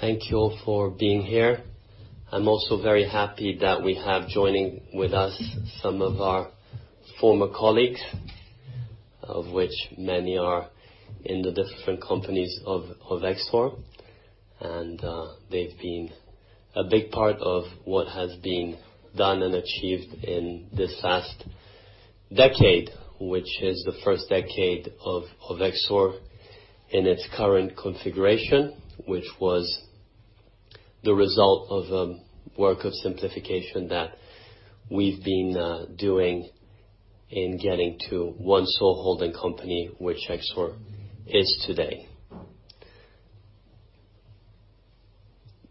Thank you all for being here. I'm also very happy that we have joining with us some of our former colleagues, of which many are in the different companies of Exor, and they've been a big part of what has been done and achieved in this past decade, which is the first decade of Exor in its current configuration, which was the result of a work of simplification that we've been doing in getting to one sole holding company, which Exor is today.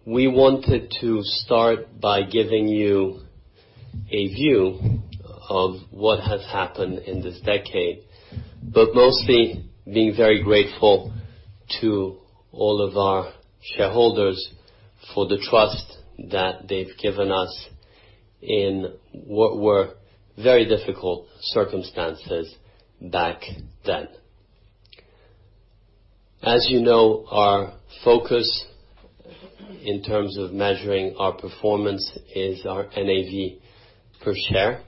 We wanted to start by giving you a view of what has happened in this decade, but mostly being very grateful to all of our shareholders for the trust that they've given us in what were very difficult circumstances back then. As you know, our focus in terms of measuring our performance is our NAV per share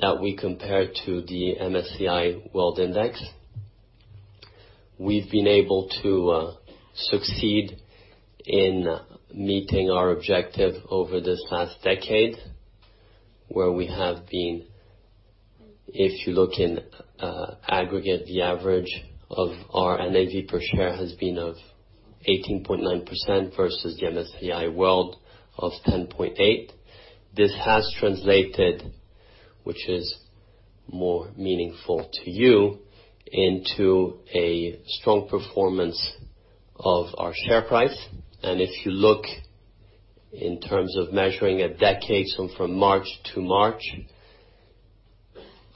that we compare to the MSCI World Index. We've been able to succeed in meeting our objective over this past decade, where we have been, if you look in aggregate, the average of our NAV per share has been of 18.9% versus the MSCI World of 10.8%. This has translated, which is more meaningful to you, into a strong performance of our share price. If you look in terms of measuring a decade, so from March to March,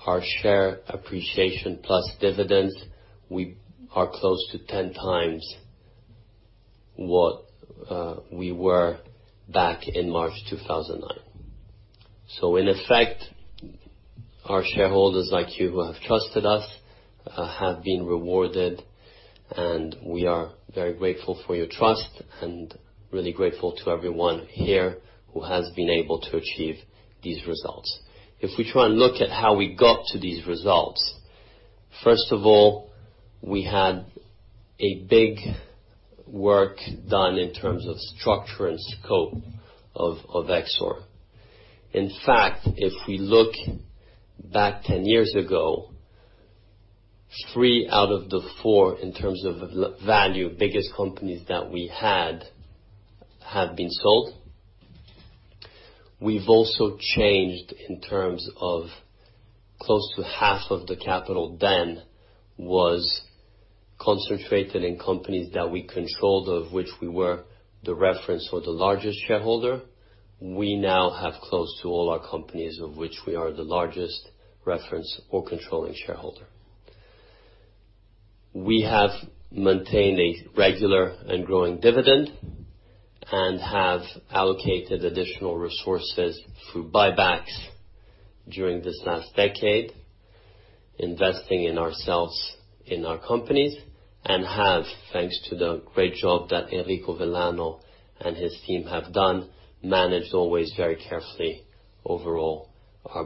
our share appreciation plus dividends, we are close to 10 times what we were back in March 2009. In effect, our shareholders like you who have trusted us, have been rewarded, and we are very grateful for your trust and really grateful to everyone here who has been able to achieve these results. If we try and look at how we got to these results, first of all, we had a big work done in terms of structure and scope of Exor. In fact, if we look back 10 years ago, three out of the four in terms of value, biggest companies that we had, have been sold. We've also changed in terms of close to half of the capital then was concentrated in companies that we controlled, of which we were the reference or the largest shareholder. We now have close to all our companies of which we are the largest reference or controlling shareholder. We have maintained a regular and growing dividend and have allocated additional resources through buybacks during this last decade, investing in ourselves, in our companies, and have, thanks to the great job that Enrico Vellano and his team have done, managed always very carefully overall our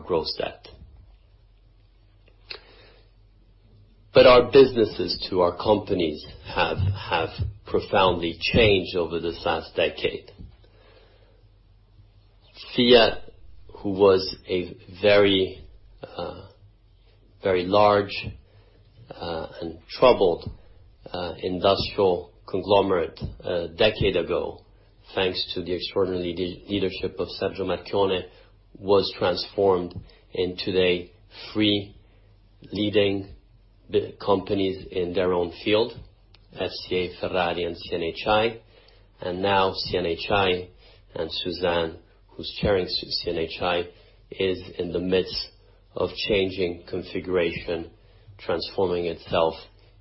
gross debt. Our businesses to our companies have profoundly changed over this last decade. Fiat, who was a very large and troubled industrial conglomerate a decade ago, thanks to the extraordinary leadership of Sergio Marchionne, was transformed into three leading companies in their own field, FCA, Ferrari and CNHI. Now CNHI and Suzanne, who's chairing CNHI, is in the midst of changing configuration, transforming itself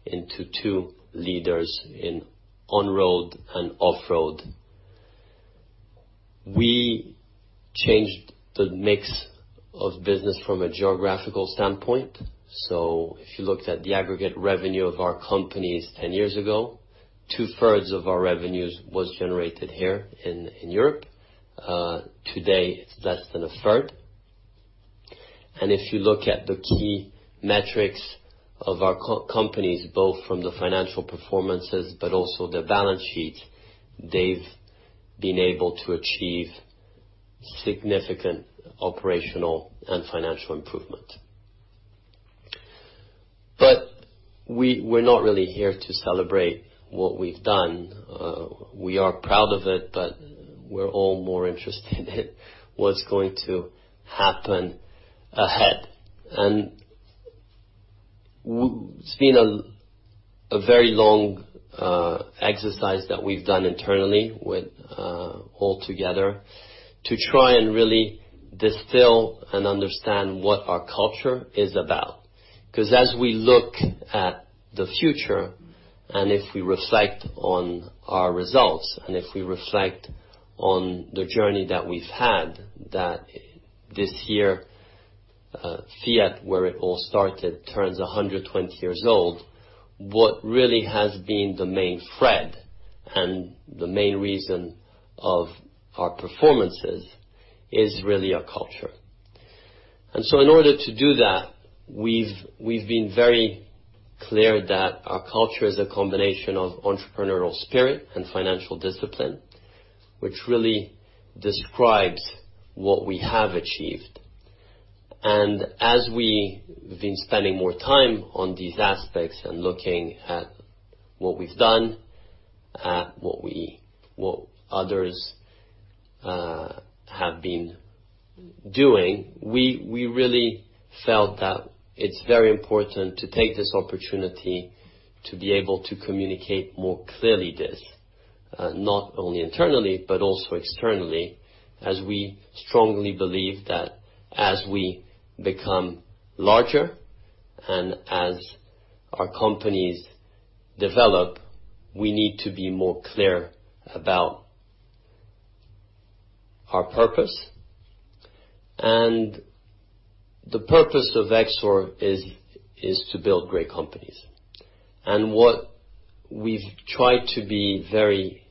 into two leaders in on-road and off-road. We changed the mix of business from a geographical standpoint. If you looked at the aggregate revenue of our companies 10 years ago, 2/3 of our revenues was generated here in Europe. Today, it's less than 1/3. If you look at the key metrics of our companies, both from the financial performances but also their balance sheets, they've been able to achieve significant operational and financial improvement. We're not really here to celebrate what we've done. We are proud of it, but we're all more interested in what's going to happen ahead. It's been a very long exercise that we've done internally with all together to try and really distill and understand what our culture is about. As we look at the future and if we reflect on our results, and if we reflect on the journey that we've had, that this year FIAT, where it all started, turns 120 years old. What really has been the main thread and the main reason of our performances is really our culture. In order to do that, we've been very clear that our culture is a combination of entrepreneurial spirit and financial discipline, which really describes what we have achieved. As we've been spending more time on these aspects and looking at what we've done, at what others have been doing, we really felt that it's very important to take this opportunity to be able to communicate more clearly this. Not only internally, but also externally, as we strongly believe that as we become larger and as our companies develop, we need to be more clear about our purpose. The purpose of Exor is to build great companies. What we've tried to be very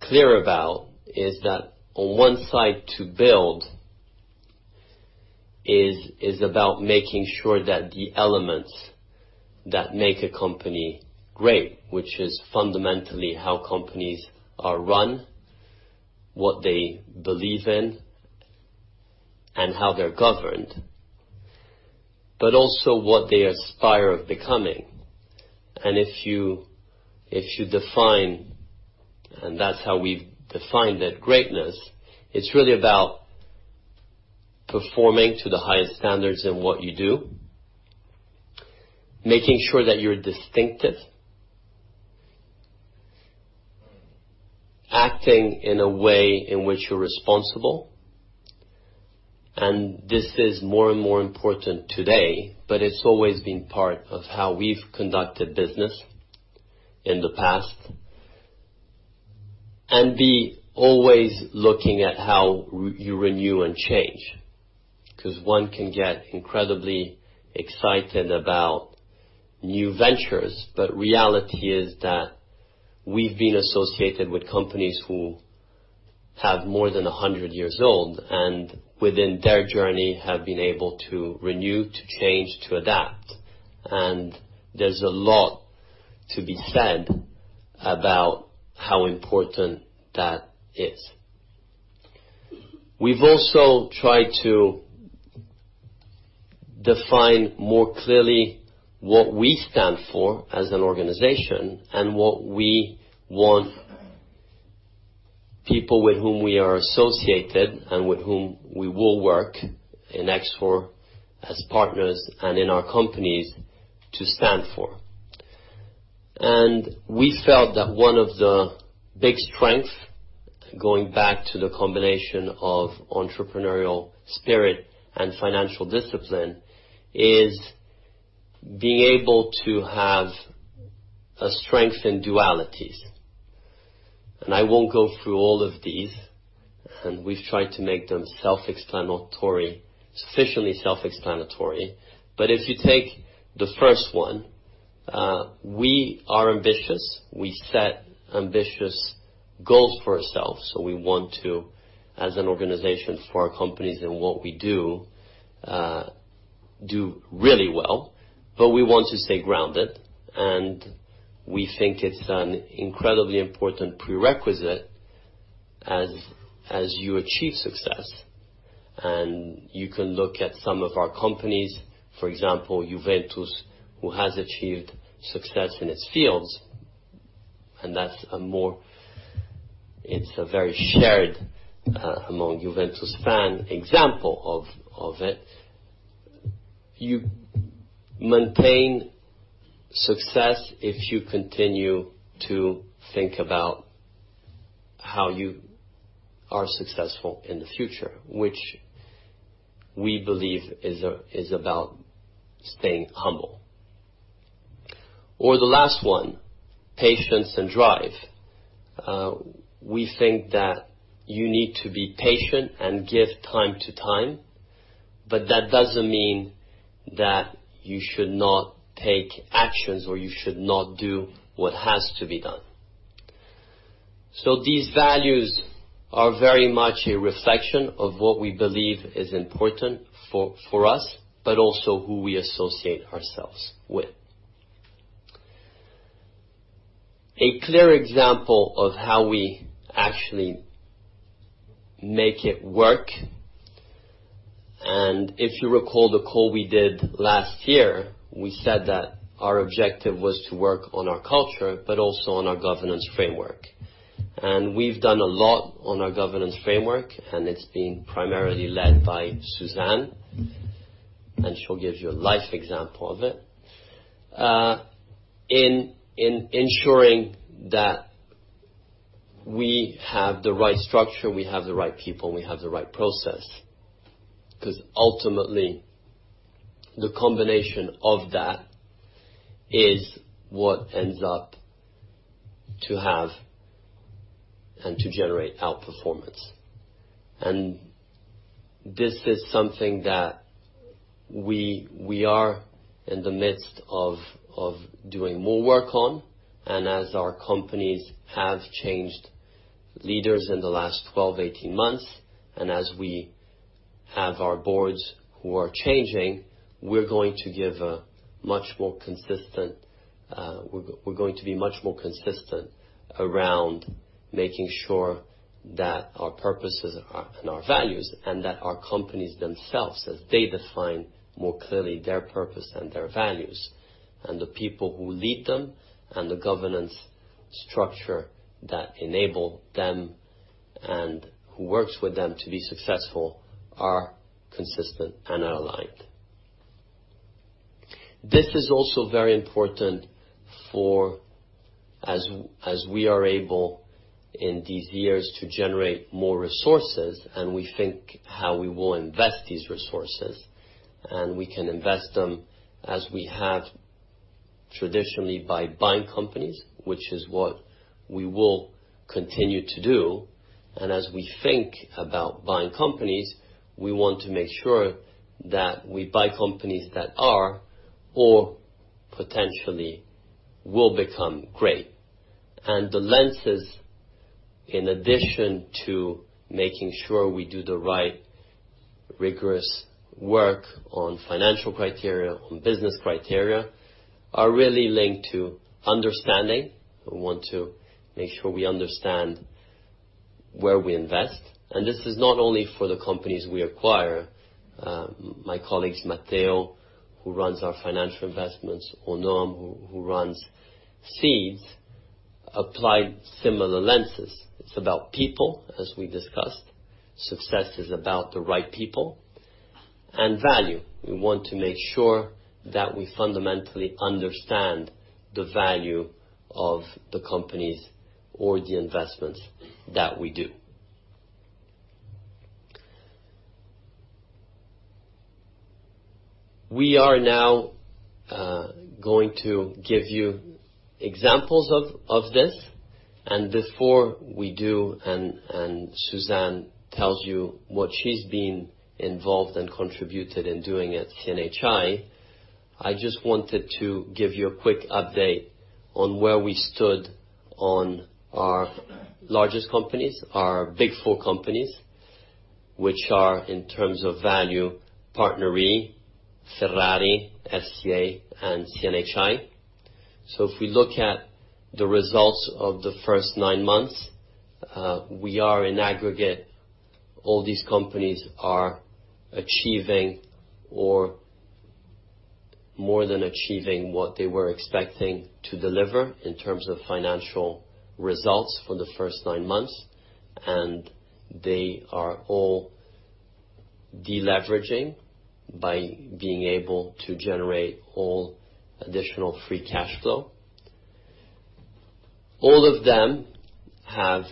clear about is that on one side, to build is about making sure that the elements that make a company great, which is fundamentally how companies are run, what they believe in, and how they're governed, but also what they aspire of becoming. If you define, and that's how we've defined it, greatness, it's really about performing to the highest standards in what you do, making sure that you're distinctive, acting in a way in which you're responsible. This is more and more important today, but it's always been part of how we've conducted business in the past. Be always looking at how you renew and change, because one can get incredibly excited about new ventures. Reality is that we've been associated with companies who have more than 100 years old, and within their journey, have been able to renew, to change, to adapt. There's a lot to be said about how important that is. We've also tried to define more clearly what we stand for as an organization and what we want people with whom we are associated and with whom we will work in Exor as partners and in our companies to stand for. We felt that one of the big strengths, going back to the combination of entrepreneurial spirit and financial discipline, is being able to have a strength in dualities. I won't go through all of these, and we've tried to make them sufficiently self-explanatory. If you take the first one, we are ambitious. We set ambitious goals for ourselves. We want to, as an organization for our companies and what we do really well. We want to stay grounded, and we think it's an incredibly important prerequisite as you achieve success. You can look at some of our companies, for example, Juventus, who has achieved success in its fields, and it's a very shared among Juventus fan example of it. You maintain success if you continue to think about how you are successful in the future, which we believe is about staying humble. The last one, patience and drive. We think that you need to be patient and give time to time, but that doesn't mean that you should not take actions, or you should not do what has to be done. These values are very much a reflection of what we believe is important for us, but also who we associate ourselves with. A clear example of how we actually make it work, if you recall the call we did last year, we said that our objective was to work on our culture, but also on our governance framework. We've done a lot on our governance framework, it's being primarily led by Suzanne, and she'll give you a live example of it. In ensuring that we have the right structure, we have the right people, and we have the right process. Ultimately, the combination of that is what ends up to generate outperformance. This is something that we are in the midst of doing more work on. As our companies have changed leaders in the last 12, 18 months, and as we have our boards who are changing, we're going to be much more consistent around making sure that our purposes and our values, and that our companies themselves, as they define more clearly their purpose and their values, and the people who lead them, and the governance structure that enable them and who works with them to be successful, are consistent and are aligned. This is also very important as we are able, in these years, to generate more resources, and we think how we will invest these resources, and we can invest them as we have traditionally by buying companies, which is what we will continue to do. As we think about buying companies, we want to make sure that we buy companies that are, or potentially will become great. The lenses, in addition to making sure we do the right rigorous work on financial criteria, on business criteria, are really linked to understanding. We want to make sure we understand where we invest. This is not only for the companies we acquire. My colleagues, Matteo, who runs our financial investments, or Noam, who runs Seeds, applied similar lenses. It's about people, as we discussed. Success is about the right people and value. We want to make sure that we fundamentally understand the value of the companies or the investments that we do. We are now going to give you examples of this. Before we do, and Suzanne tells you what she's been involved and contributed in doing at CNHI, I just wanted to give you a quick update on where we stood on our largest companies, our big four companies, which are, in terms of value, PartnerRe, Ferrari, FCA, and CNHI. If we look at the results of the first nine months, we are in aggregate, all these companies are achieving or more than achieving what they were expecting to deliver in terms of financial results for the first nine months. They are all deleveraging by being able to generate all additional free cash flow. All of them have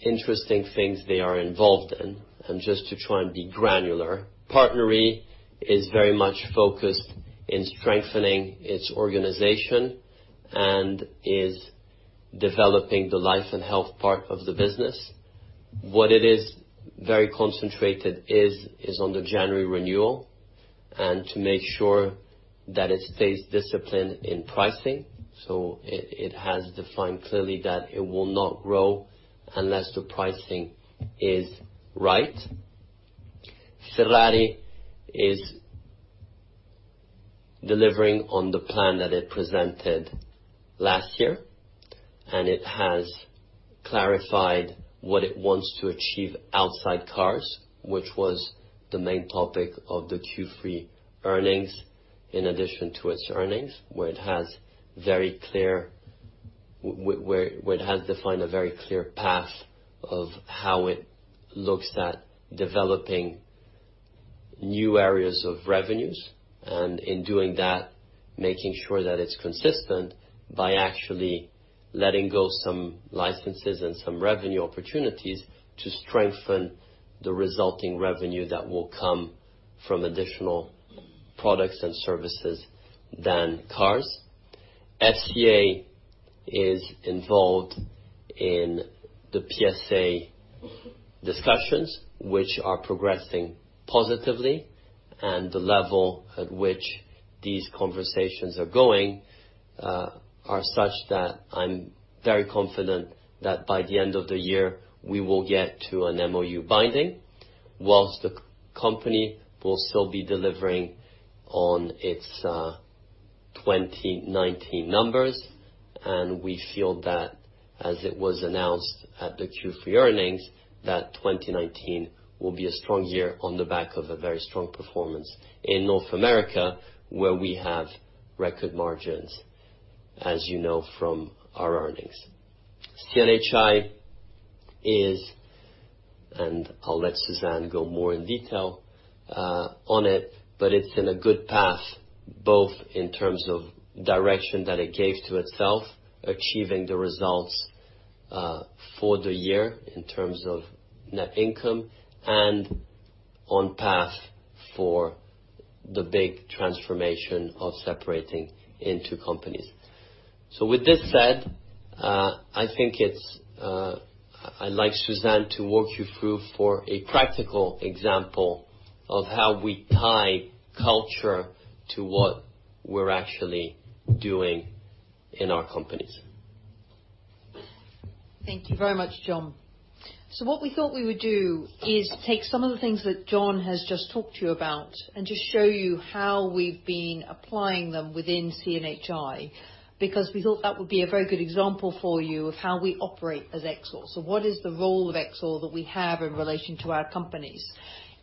interesting things they are involved in. Just to try and be granular, PartnerRe is very much focused in strengthening its organization and is developing the life and health part of the business. What it is very concentrated is on the January renewal and to make sure that it stays disciplined in pricing. It has defined clearly that it will not grow unless the pricing is right. Ferrari is delivering on the plan that it presented last year, and it has clarified what it wants to achieve outside cars, which was the main topic of the Q3 earnings. In addition to its earnings, where it has defined a very clear path of how it looks at developing new areas of revenues, and in doing that, making sure that it's consistent by actually letting go some licenses and some revenue opportunities to strengthen the resulting revenue that will come from additional products and services than cars. FCA is involved in the PSA discussions, which are progressing positively. The level at which these conversations are going are such that I'm very confident that by the end of the year, we will get to an MoU binding, whilst the company will still be delivering on its 2019 numbers. We feel that, as it was announced at the Q3 earnings, that 2019 will be a strong year on the back of a very strong performance in North America, where we have record margins, as you know from our earnings. CNHI, and I'll let Suzanne go more in detail on it, is in a good path, both in terms of direction that it gave to itself, achieving the results for the year in terms of net income, and on path for the big transformation of separating into companies. With this said, I think I'd like Suzanne to walk you through for a practical example of how we tie culture to what we're actually doing in our companies. Thank you very much, John. What we thought we would do is take some of the things that John has just talked to you about and just show you how we've been applying them within CNHI, because we thought that would be a very good example for you of how we operate as Exor. What is the role of Exor that we have in relation to our companies?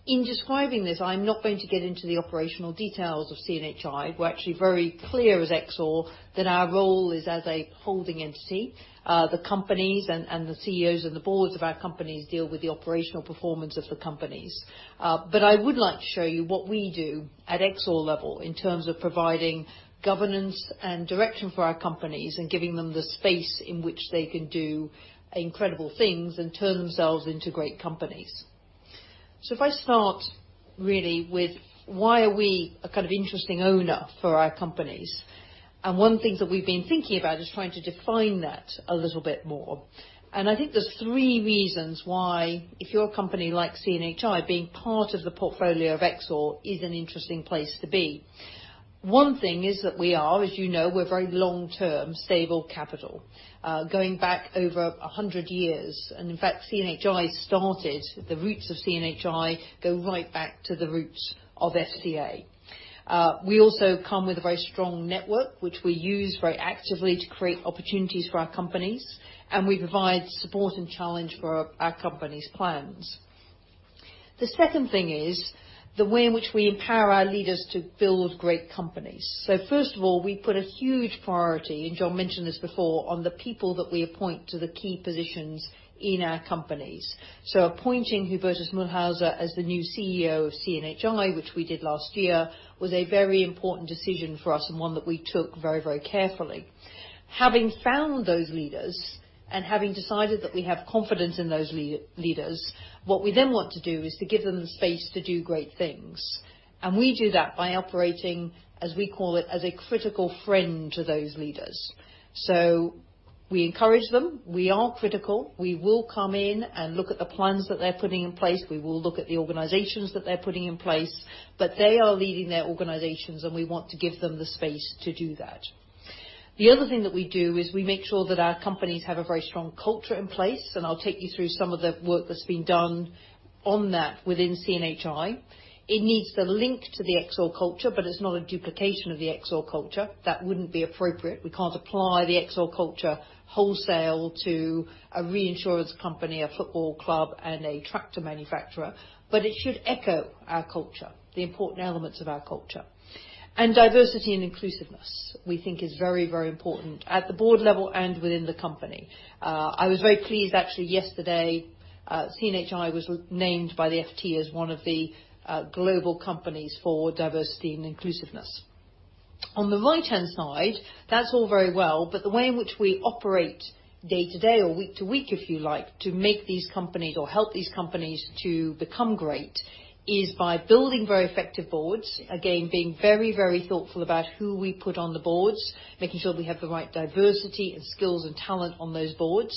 In describing this, I'm not going to get into the operational details of CNHI. We're actually very clear as Exor that our role is as a holding entity. The companies and the CEOs and the boards of our companies deal with the operational performance of the companies. I would like to show you what we do at Exor level in terms of providing governance and direction for our companies and giving them the space in which they can do incredible things and turn themselves into great companies. If I start really with why are we a kind of interesting owner for our companies, and one thing that we've been thinking about is trying to define that a little bit more. I think there's three reasons why, if you're a company like CNHI, being part of the portfolio of Exor is an interesting place to be. One thing is that, as you know, we're very long-term stable capital, going back over 100 years. In fact, the roots of CNHI go right back to the roots of FCA. We also come with a very strong network, which we use very actively to create opportunities for our companies, and we provide support and challenge for our company's plans. The second thing is the way in which we empower our leaders to build great companies. First of all, we put a huge priority, and John mentioned this before, on the people that we appoint to the key positions in our companies. Appointing Hubertus Mühlhäuser as the new CEO of CNHI, which we did last year, was a very important decision for us and one that we took very carefully. Having found those leaders and having decided that we have confidence in those leaders, what we then want to do is to give them the space to do great things. We do that by operating, as we call it, as a critical friend to those leaders. We encourage them. We are critical. We will come in and look at the plans that they're putting in place. We will look at the organizations that they're putting in place. They are leading their organizations, and we want to give them the space to do that. The other thing that we do is we make sure that our companies have a very strong culture in place, and I'll take you through some of the work that's been done on that within CNHI. It needs to link to the Exor culture, but it's not a duplication of the Exor culture. That wouldn't be appropriate. We can't apply the Exor culture wholesale to a reinsurance company, a football club, and a tractor manufacturer. It should echo our culture, the important elements of our culture. Diversity and inclusiveness we think is very important at the board level and within the company. I was very pleased actually, yesterday, CNHI was named by the FT as one of the global companies for diversity and inclusiveness. On the right-hand side, that's all very well, but the way in which we operate day to day or week to week, if you like, to make these companies or help these companies to become great is by building very effective boards. Again, being very thoughtful about who we put on the boards, making sure we have the right diversity and skills and talent on those boards.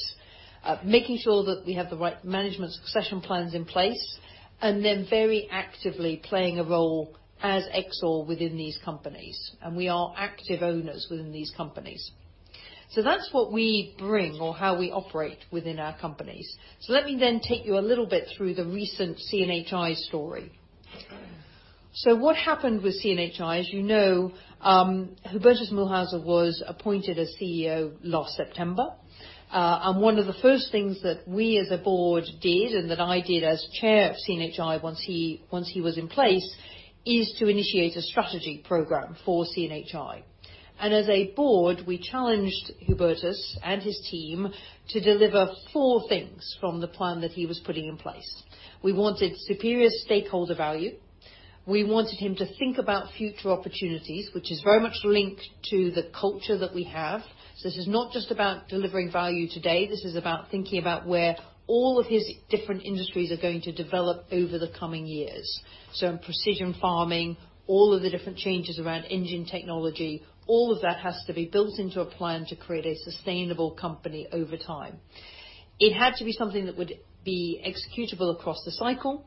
Making sure that we have the right management succession plans in place, and then very actively playing a role as Exor within these companies. We are active owners within these companies. That's what we bring or how we operate within our companies. Let me take you a little bit through the recent CNHI story. What happened with CNHI, as you know, Hubertus Mühlhäuser was appointed as CEO last September. One of the first things that we as a board did, and that I did as chair of CNHI once he was in place, is to initiate a strategy program for CNHI. As a board, we challenged Hubertus and his team to deliver four things from the plan that he was putting in place. We wanted superior stakeholder value. We wanted him to think about future opportunities, which is very much linked to the culture that we have. This is not just about delivering value today. This is about thinking about where all of his different industries are going to develop over the coming years. In precision farming, all of the different changes around engine technology, all of that has to be built into a plan to create a sustainable company over time. It had to be something that would be executable across the cycle.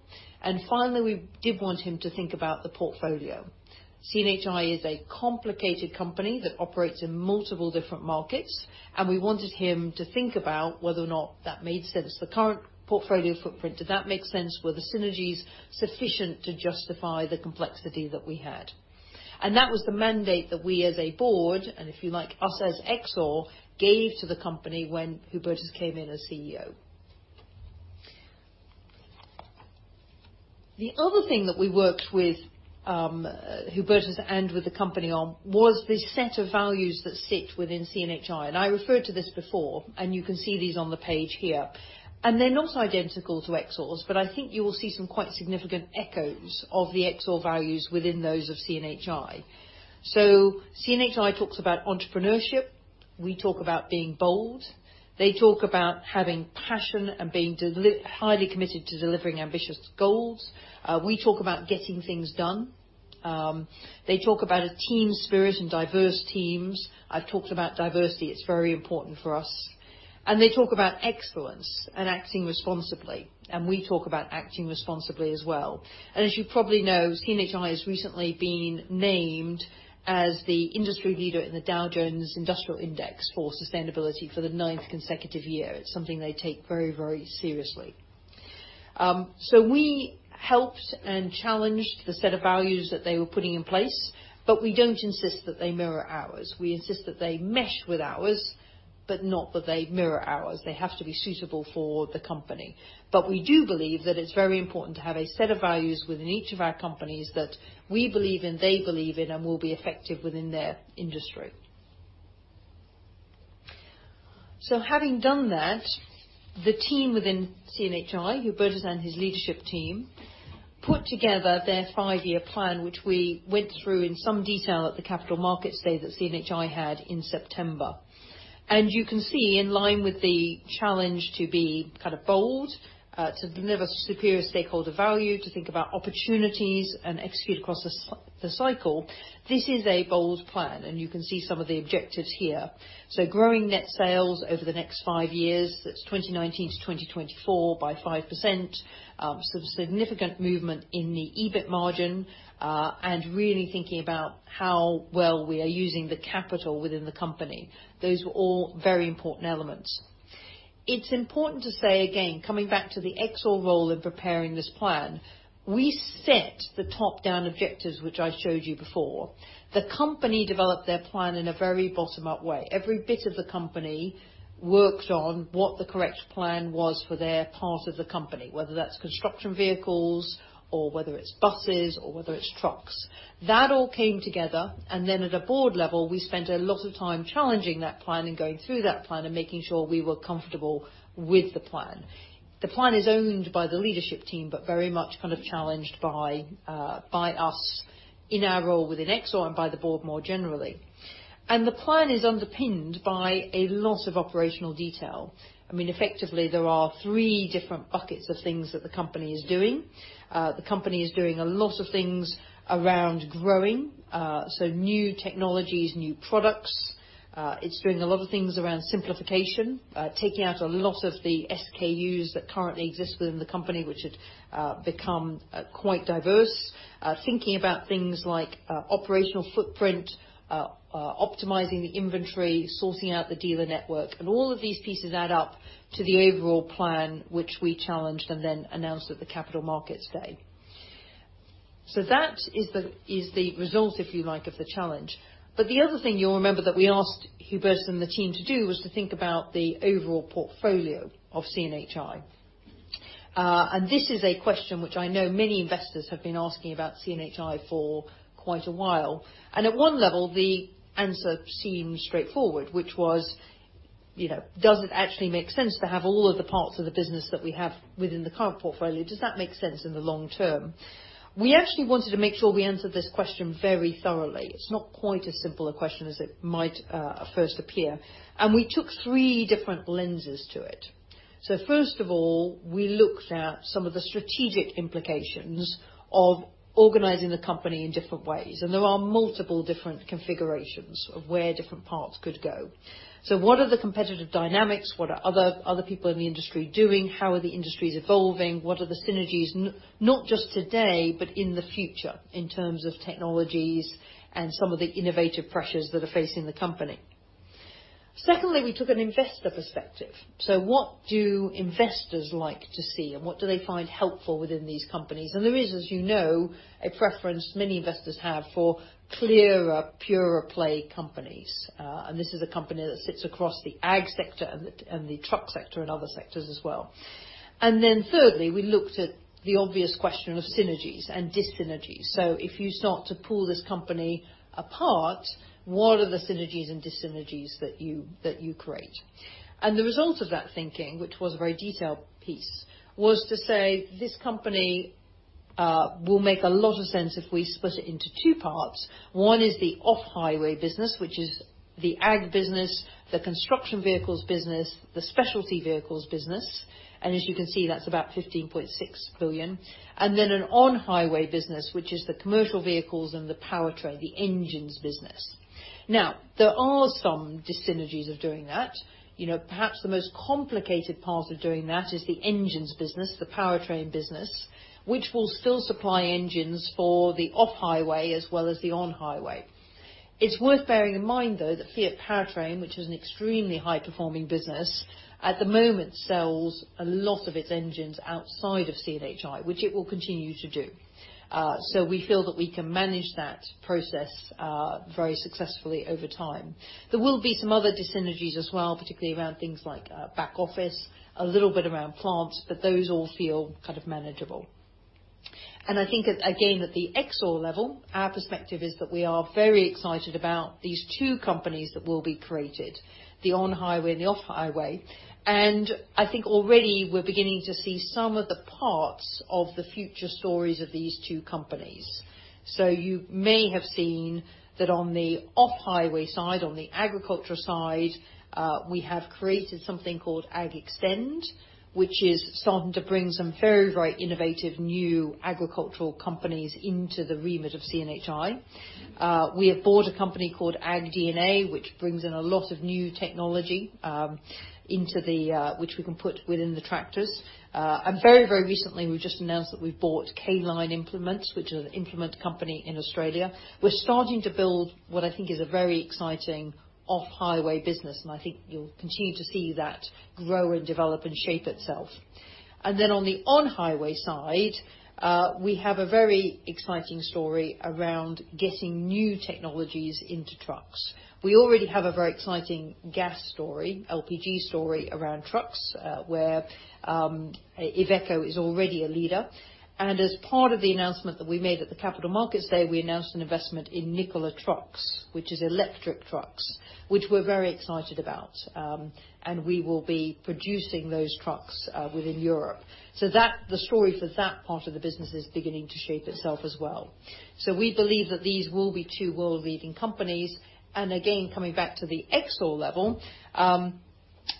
Finally, we did want him to think about the portfolio. CNHI is a complicated company that operates in multiple different markets, and we wanted him to think about whether or not that made sense. The current portfolio footprint, did that make sense? Were the synergies sufficient to justify the complexity that we had? That was the mandate that we as a board, and if you like, us as Exor, gave to the company when Hubertus came in as CEO. The other thing that we worked with Hubertus and with the company on was the set of values that sit within CNHI. I referred to this before, and you can see these on the page here. They're not identical to Exor's, but I think you will see some quite significant echoes of the Exor values within those of CNHI. CNHI talks about entrepreneurship. We talk about being bold. They talk about having passion and being highly committed to delivering ambitious goals. We talk about getting things done. They talk about a team spirit and diverse teams. I've talked about diversity, it's very important for us. They talk about excellence and acting responsibly, and we talk about acting responsibly as well. As you probably know, CNHI has recently been named as the industry leader in the Dow Jones Sustainability Index for sustainability for the ninth consecutive year. It's something they take very seriously. We helped and challenged the set of values that they were putting in place, but we don't insist that they mirror ours. We insist that they mesh with ours, but not that they mirror ours. They have to be suitable for the company. We do believe that it's very important to have a set of values within each of our companies that we believe in, they believe in, and will be effective within their industry. Having done that, the team within CNHI, Hubertus and his leadership team, put together their five-year plan, which we went through in some detail at the Capital Markets Day that CNHI had in September. You can see, in line with the challenge to be bold, to deliver superior stakeholder value, to think about opportunities and execute across the cycle, this is a bold plan, and you can see some of the objectives here. Growing net sales over the next five years, that's 2019 to 2024, by 5%, so significant movement in the EBIT margin, and really thinking about how well we are using the capital within the company. Those were all very important elements. It's important to say, again, coming back to the Exor role in preparing this plan, we set the top-down objectives, which I showed you before. The company developed their plan in a very bottom-up way. Every bit of the company worked on what the correct plan was for their part of the company, whether that's construction vehicles or whether it's buses or whether it's trucks. That all came together, and then at a board level, we spent a lot of time challenging that plan and going through that plan and making sure we were comfortable with the plan. The plan is owned by the leadership team, but very much challenged by us in our role within Exor and by the board more generally. The plan is underpinned by a lot of operational detail. Effectively, there are three different buckets of things that the company is doing. The company is doing a lot of things around growing, so new technologies, new products. It's doing a lot of things around simplification, taking out a lot of the SKUs that currently exist within the company, which had become quite diverse. Thinking about things like operational footprint, optimizing the inventory, sorting out the dealer network, all of these pieces add up to the overall plan, which we challenged and then announced at the Capital Markets Day. That is the result, if you like, of the challenge. The other thing you'll remember that we asked Hubertus and the team to do was to think about the overall portfolio of CNHI. This is a question which I know many investors have been asking about CNHI for quite a while. At one level, the answer seems straightforward, which was, does it actually make sense to have all of the parts of the business that we have within the current portfolio? Does that make sense in the long term? We actually wanted to make sure we answered this question very thoroughly. It's not quite as simple a question as it might first appear. We took three different lenses to it. First of all, we looked at some of the strategic implications of organizing the company in different ways, and there are multiple different configurations of where different parts could go. What are the competitive dynamics? What are other people in the industry doing? How are the industries evolving? What are the synergies, not just today, but in the future in terms of technologies and some of the innovative pressures that are facing the company? Secondly, we took an investor perspective. What do investors like to see, and what do they find helpful within these companies? There is, as you know, a preference many investors have for clearer, purer play companies. This is a company that sits across the ag sector and the truck sector and other sectors as well. Thirdly, we looked at the obvious question of synergies and dis-synergies. If you start to pull this company apart, what are the synergies and dis-synergies that you create? The result of that thinking, which was a very detailed piece, was to say this company will make a lot of sense if we split it into two parts. One is the off-highway business, which is the ag business, the construction vehicles business, the specialty vehicles business. As you can see, that's about 15.6 billion. An on-highway business, which is the commercial vehicles and the powertrain, the engines business. There are some dis-synergies of doing that. Perhaps the most complicated part of doing that is the engines business, the powertrain business, which will still supply engines for the off-highway as well as the on-highway. It's worth bearing in mind, though, that Fiat Powertrain, which is an extremely high-performing business, at the moment, sells a lot of its engines outside of CNHI, which it will continue to do. We feel that we can manage that process very successfully over time. There will be some other dis-synergies as well, particularly around things like back office, a little bit around plants, but those all feel manageable. I think again at the Exor level, our perspective is that we are very excited about these two companies that will be created, the on-highway and the off-highway. I think already we're beginning to see some of the parts of the future stories of these two companies. You may have seen that on the off-highway side, on the agricultural side, we have created something called AGXTEND, which is starting to bring some very innovative new agricultural companies into the remit of CNHI. We have bought a company called AgDNA, which brings in a lot of new technology, which we can put within the tractors. Very recently, we've just announced that we've bought K-Line Ag, which is an implement company in Australia. We're starting to build what I think is a very exciting off-highway business, and I think you'll continue to see that grow and develop and shape itself. On the on-highway side, we have a very exciting story around getting new technologies into trucks. We already have a very exciting gas story, LNG story around trucks, where Iveco is already a leader. As part of the announcement that we made at the Capital Markets Day, we announced an investment in Nikola trucks, which is electric trucks, which we're very excited about. We will be producing those trucks within Europe. The story for that part of the business is beginning to shape itself as well. We believe that these will be two world-leading companies. Again, coming back to the Exor level,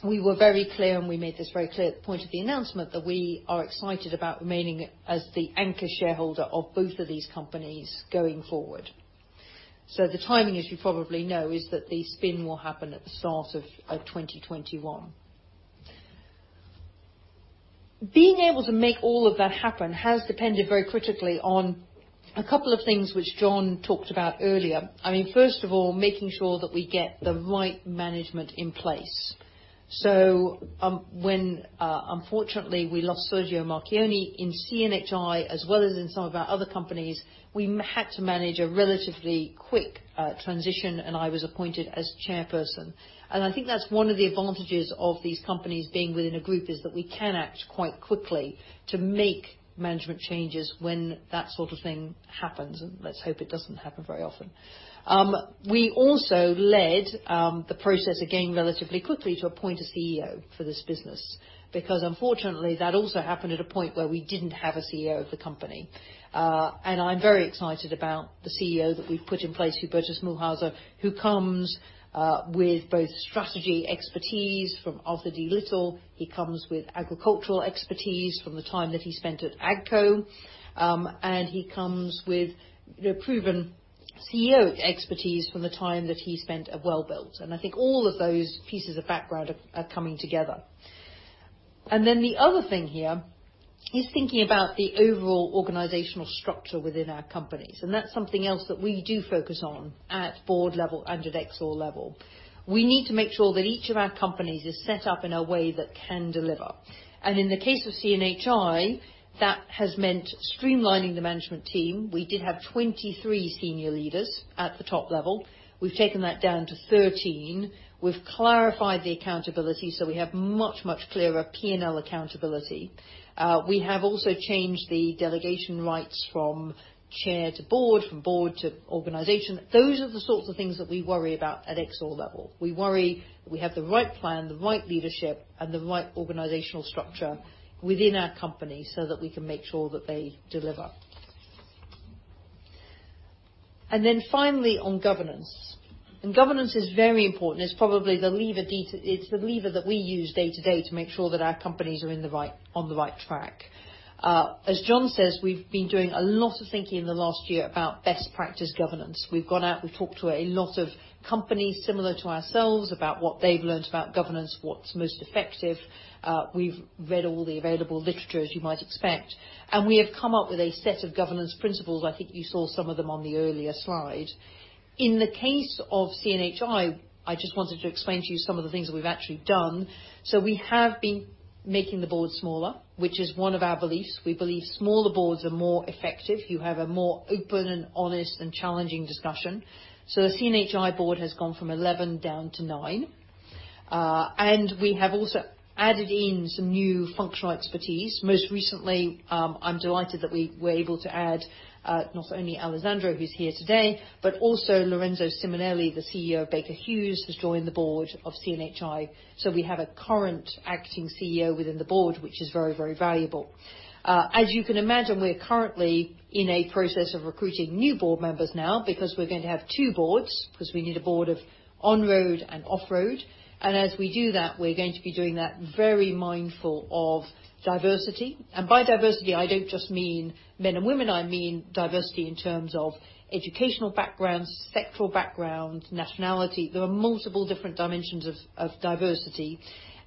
we were very clear, and we made this very clear at the point of the announcement, that we are excited about remaining as the anchor shareholder of both of these companies going forward. The timing, as you probably know, is that the spin will happen at the start of 2021. Being able to make all of that happen has depended very critically on a couple of things which John talked about earlier. First of all, making sure that we get the right management in place. When unfortunately we lost Sergio Marchionne in CNHI, as well as in some of our other companies, we had to manage a relatively quick transition, and I was appointed as chairperson. I think that's one of the advantages of these companies being within a group, is that we can act quite quickly to make management changes when that sort of thing happens, and let's hope it doesn't happen very often. We also led the process, again, relatively quickly, to appoint a CEO for this business, because unfortunately, that also happened at a point where we didn't have a CEO of the company. I'm very excited about the CEO that we've put in place, Hubertus Mühlhäuser, who comes with both strategy expertise from Arthur D. Little, he comes with agricultural expertise from the time that he spent at AGCO, and he comes with proven CEO expertise from the time that he spent at Welbilt. I think all of those pieces of background are coming together. The other thing here is thinking about the overall organizational structure within our companies. That's something else that we do focus on at board level and at Exor level. We need to make sure that each of our companies is set up in a way that can deliver. In the case of CNHI, that has meant streamlining the management team. We did have 23 senior leaders at the top level. We've taken that down to 13. We've clarified the accountability so we have much, much clearer P&L accountability. We have also changed the delegation rights from chair to board, from board to organization. Those are the sorts of things that we worry about at Exor level. We worry that we have the right plan, the right leadership, and the right organizational structure within our company so that we can make sure that they deliver. Then finally, on governance. Governance is very important. It's the lever that we use day to day to make sure that our companies are on the right track. As John says, we've been doing a lot of thinking in the last year about best practice governance. We've gone out, we've talked to a lot of companies similar to ourselves about what they've learned about governance, what's most effective. We've read all the available literature, as you might expect, and we have come up with a set of governance principles. I think you saw some of them on the earlier slide. In the case of CNHI, I just wanted to explain to you some of the things that we've actually done. We have been making the board smaller, which is one of our beliefs. We believe smaller boards are more effective. You have a more open and honest and challenging discussion. The CNHI board has gone from 11 down to nine. We have also added in some new functional expertise. Most recently, I'm delighted that we were able to add, not only Alessandro, who's here today, but also Lorenzo Simonelli, the CEO of Baker Hughes, has joined the board of CNHI. We have a current acting CEO within the board, which is very, very valuable. As you can imagine, we're currently in a process of recruiting new board members now because we're going to have two boards, because we need a board of on-road and off-road. As we do that, we're going to be doing that very mindful of diversity. By diversity, I don't just mean men and women, I mean diversity in terms of educational backgrounds, sectoral background, nationality. There are multiple different dimensions of diversity.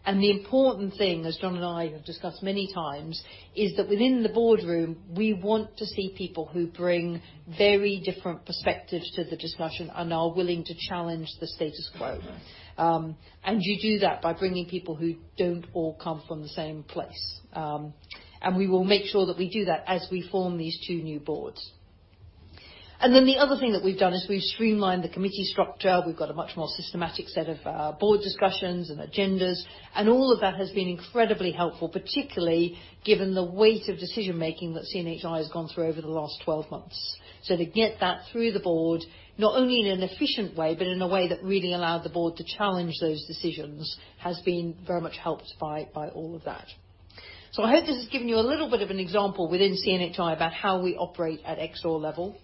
The important thing, as John and I have discussed many times, is that within the boardroom, we want to see people who bring very different perspectives to the discussion and are willing to challenge the status quo. You do that by bringing people who don't all come from the same place. We will make sure that we do that as we form these two new boards. The other thing that we've done is we've streamlined the committee structure. We've got a much more systematic set of board discussions and agendas, and all of that has been incredibly helpful, particularly given the weight of decision-making that CNHI has gone through over the last 12 months. To get that through the board, not only in an efficient way, but in a way that really allowed the board to challenge those decisions, has been very much helped by all of that. I hope this has given you a little bit of an example within CNHI about how we operate at Exor level.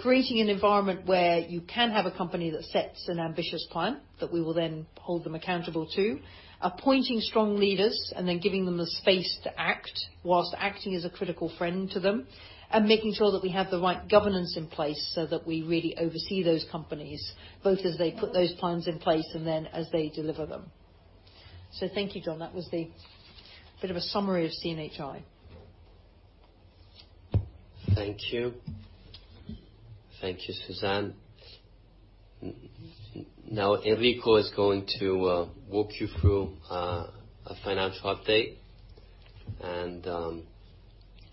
Creating an environment where you can have a company that sets an ambitious plan, that we will then hold them accountable to, appointing strong leaders and then giving them the space to act whilst acting as a critical friend to them, and making sure that we have the right governance in place so that we really oversee those companies, both as they put those plans in place and then as they deliver them. Thank you, John. That was the bit of a summary of CNHI. Thank you. Thank you, Suzanne. Enrico is going to walk you through a financial update.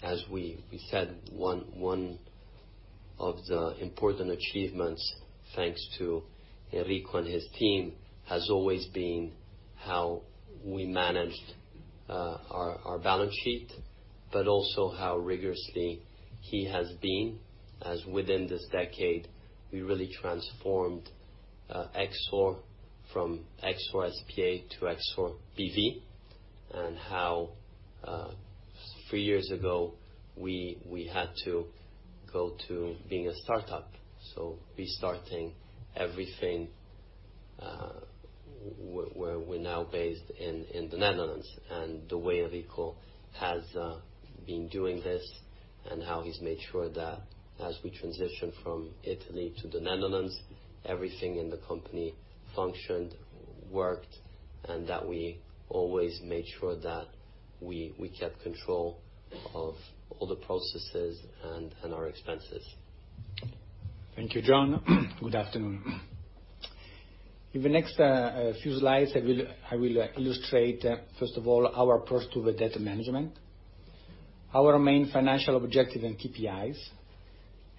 As we said, one of the important achievements, thanks to Enrico and his team, has always been how we managed our balance sheet, but also how rigorous he has been, as within this decade, we really transformed Exor from Exor S.p.A to Exor B.V., and how three years ago we had to go to being a startup. Restarting everything, where we're now based in the Netherlands, and the way Enrico has been doing this, and how he's made sure that as we transition from Italy to the Netherlands, everything in the company functioned, worked, and that we always made sure that we kept control of all the processes and our expenses. Thank you, John. Good afternoon. In the next few slides, I will illustrate, first of all, our approach to the debt management, our main financial objective and KPIs,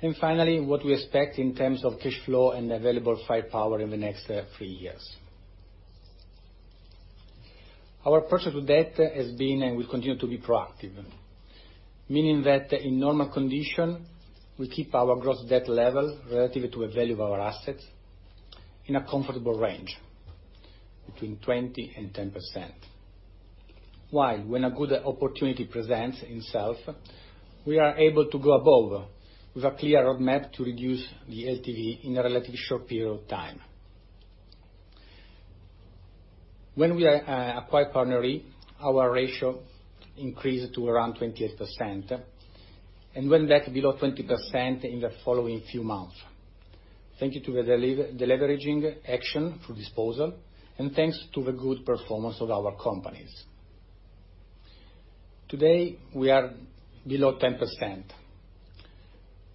and finally, what we expect in terms of cash flow and available firepower in the next three years. Our approach to debt has been and will continue to be proactive, meaning that in normal condition, we keep our gross debt level relative to the value of our assets in a comfortable range between 20% and 10%, while when a good opportunity presents itself, we are able to go above with a clear roadmap to reduce the LTV in a relatively short period of time. When we acquired PartnerRe, our ratio increased to around 28%, and went back below 20% in the following few months. Thank you to the deleveraging action through disposal, and thanks to the good performance of our companies. Today, we are below 10%.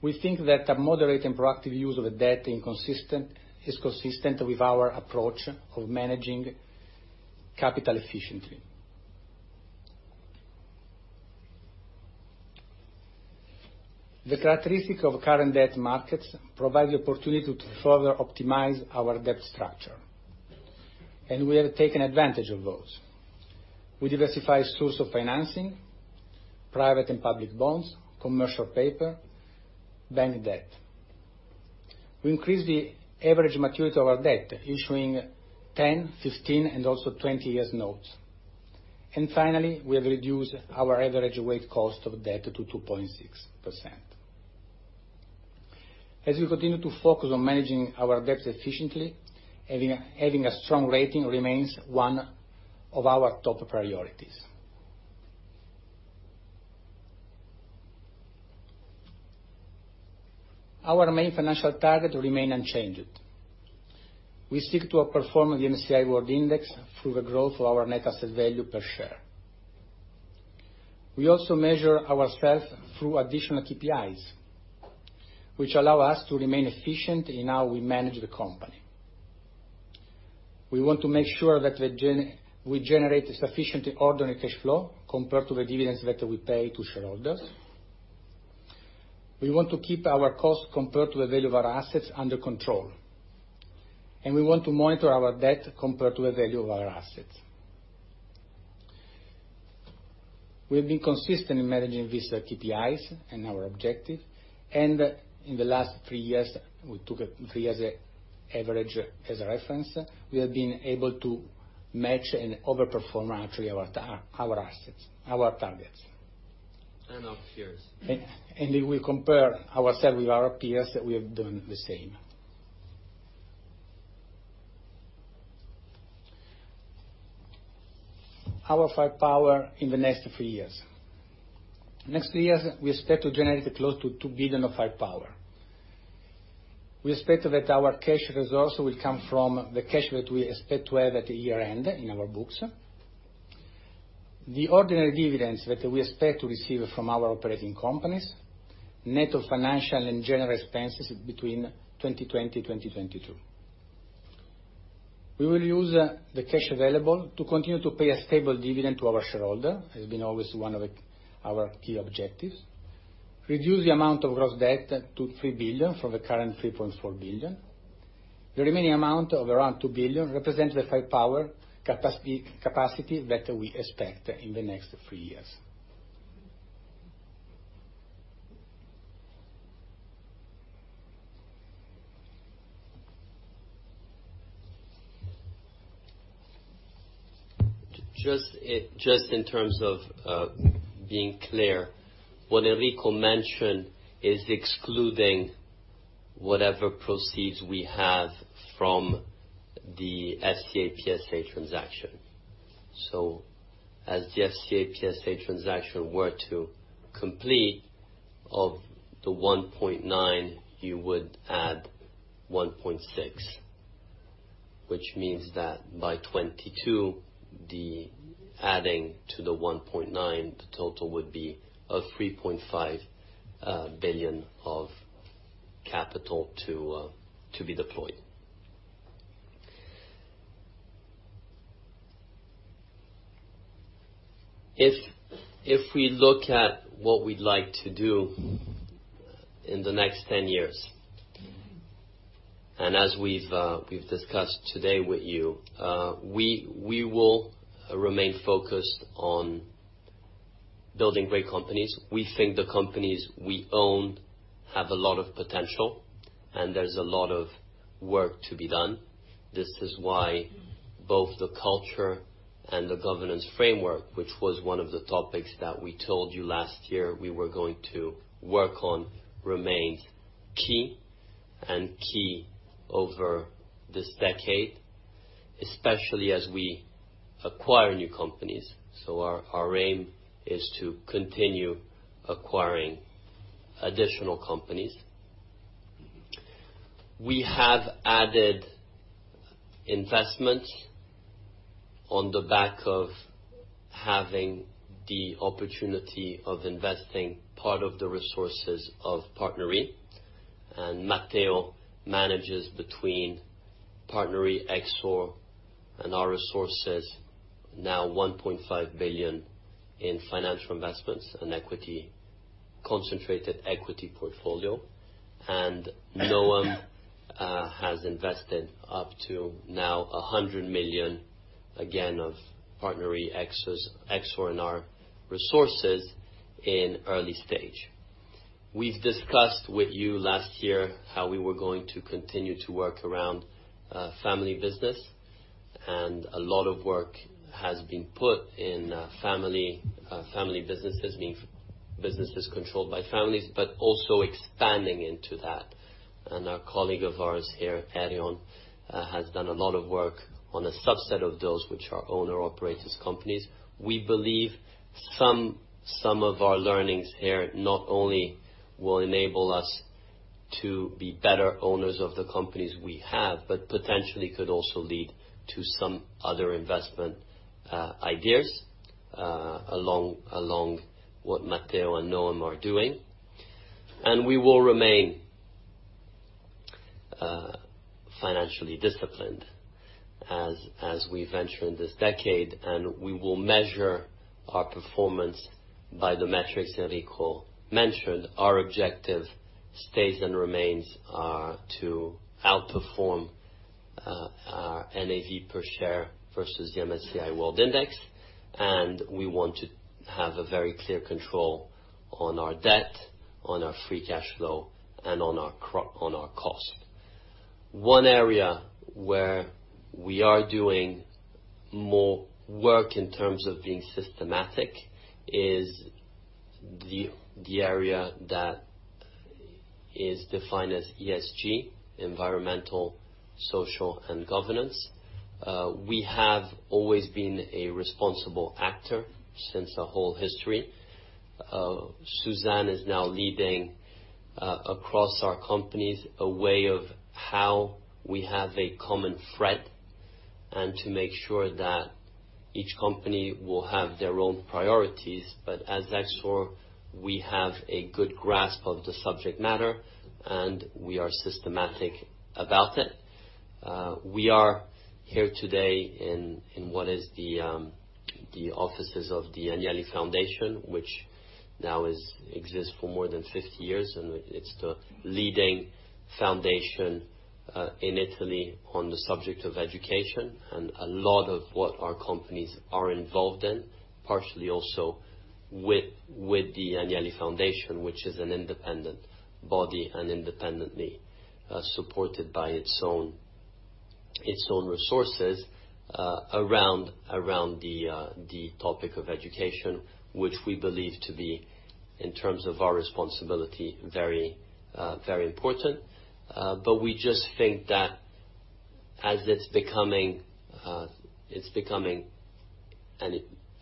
We think that a moderate and proactive use of debt is consistent with our approach of managing capital efficiently. The characteristic of current debt markets provides the opportunity to further optimize our debt structure, and we have taken advantage of those. We diversify source of financing, private and public bonds, commercial paper, bank debt. We increase the average maturity of our debt, issuing 10, 15 and also 20 years notes. Finally, we have reduced our average weight cost of debt to 2.6%. As we continue to focus on managing our debt efficiently, having a strong rating remains one of our top priorities. Our main financial target remain unchanged. We seek to outperform the MSCI World Index through the growth of our net asset value per share. We also measure ourselves through additional KPIs, which allow us to remain efficient in how we manage the company. We want to make sure that we generate sufficient ordinary cash flow compared to the dividends that we pay to shareholders. We want to keep our cost compared to the value of our assets under control, and we want to monitor our debt compared to the value of our assets. We have been consistent in managing these KPIs and our objective, and in the last three years, we took three as an average, as a reference, we have been able to match and over-perform actually our targets. Our peers. If we compare ourselves with our peers, we have done the same. Our firepower in the next three years. Next three years, we expect to generate close to 2 billion of firepower. We expect that our cash resource will come from the cash that we expect to have at year-end in our books. The ordinary dividends that we expect to receive from our operating companies, net of financial and general expenses between 2020 and 2022. We will use the cash available to continue to pay a stable dividend to our shareholder. It's been always one of our key objectives. Reduce the amount of gross debt to 3 billion from the current 3.4 billion. The remaining amount of around 2 billion represents the firepower capacity that we expect in the next three years. Just in terms of being clear, what Enrico mentioned is excluding whatever proceeds we have from the FCA-PSA transaction. As the FCA-PSA transaction were to complete, of the 1.9, you would add 1.6, which means that by 2022, the adding to the 1.9, the total would be a 3.5 billion of capital to be deployed. If we look at what we'd like to do in the next 10 years, and as we've discussed today with you, we will remain focused on building great companies. We think the companies we own have a lot of potential, and there's a lot of work to be done. This is why both the culture and the governance framework, which was one of the topics that we told you last year we were going to work on, remain key over this decade, especially as we acquire new companies. Our aim is to continue acquiring additional companies. We have added investment on the back of having the opportunity of investing part of the resources of PartnerRe. Matteo manages between PartnerRe, Exor, and our resources, now 1.5 billion in financial investments and equity, concentrated equity portfolio. Noam has invested up to now 100 million, again, of PartnerRe, Exor, and our resources in early stage. We've discussed with you last year how we were going to continue to work around family business, and a lot of work has been put in family businesses, meaning businesses controlled by families, but also expanding into that. A colleague of ours here, Ariane, has done a lot of work on a subset of those which are owner-operators companies. We believe some of our learnings here not only will enable us to be better owners of the companies we have, but potentially could also lead to some other investment ideas along what Matteo and Noam are doing. We will remain financially disciplined as we venture in this decade, and we will measure our performance by the metrics that Enrico mentioned. Our objective stays and remains to outperform our NAV per share versus the MSCI World Index, and we want to have a very clear control on our debt, on our free cash flow, and on our cost. One area where we are doing more work in terms of being systematic is the area that is defined as ESG, environmental, social, and governance. We have always been a responsible actor since the whole history. Suzanne is now leading, across our companies, a way of how we have a common thread and to make sure that each company will have their own priorities. As Exor, we have a good grasp of the subject matter, and we are systematic about it. We are here today in what is the offices of the Agnelli Foundation, which now exists for more than 50 years, and it's the leading foundation in Italy on the subject of education. A lot of what our companies are involved in, partially also with the Agnelli Foundation, which is an independent body and independently supported by its own resources around the topic of education, which we believe to be, in terms of our responsibility, very important. We just think that as it's becoming, and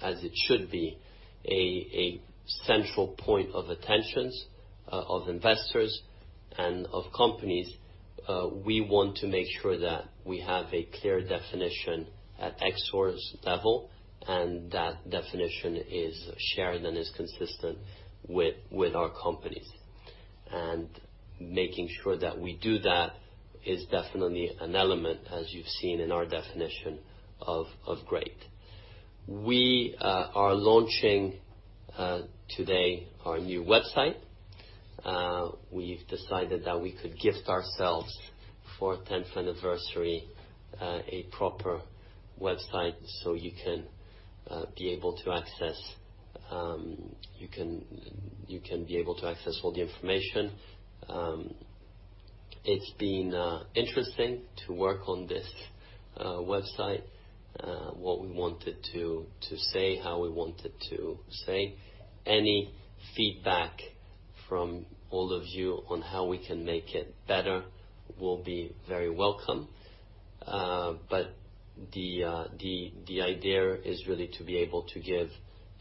as it should be, a central point of attention of investors and of companies, we want to make sure that we have a clear definition at Exor's level, and that definition is shared and is consistent with our companies. Making sure that we do that is definitely an element, as you've seen in our definition of great. We are launching today our new website. We've decided that we could gift ourselves, for our 10th anniversary, a proper website, so you can be able to access all the information. It's been interesting to work on this website. What we wanted to say, how we wanted to say. Any feedback from all of you on how we can make it better will be very welcome. The idea is really to be able to give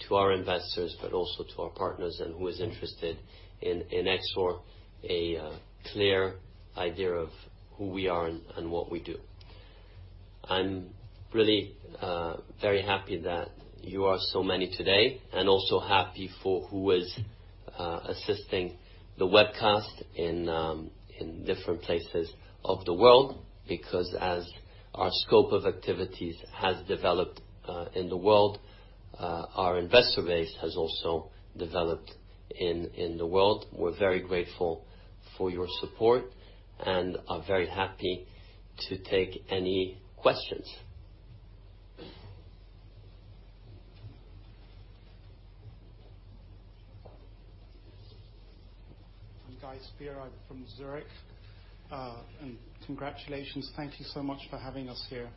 to our investors, but also to our partners and who is interested in Exor, a clear idea of who we are and what we do. I'm really very happy that you are so many today, and also happy for who is assisting the webcast in different places of the world. As our scope of activities has developed in the world, our investor base has also developed in the world. We're very grateful for your support and are very happy to take any questions. I'm Guy Spier. I'm from Zurich. Congratulations. Thank you so much for having us here.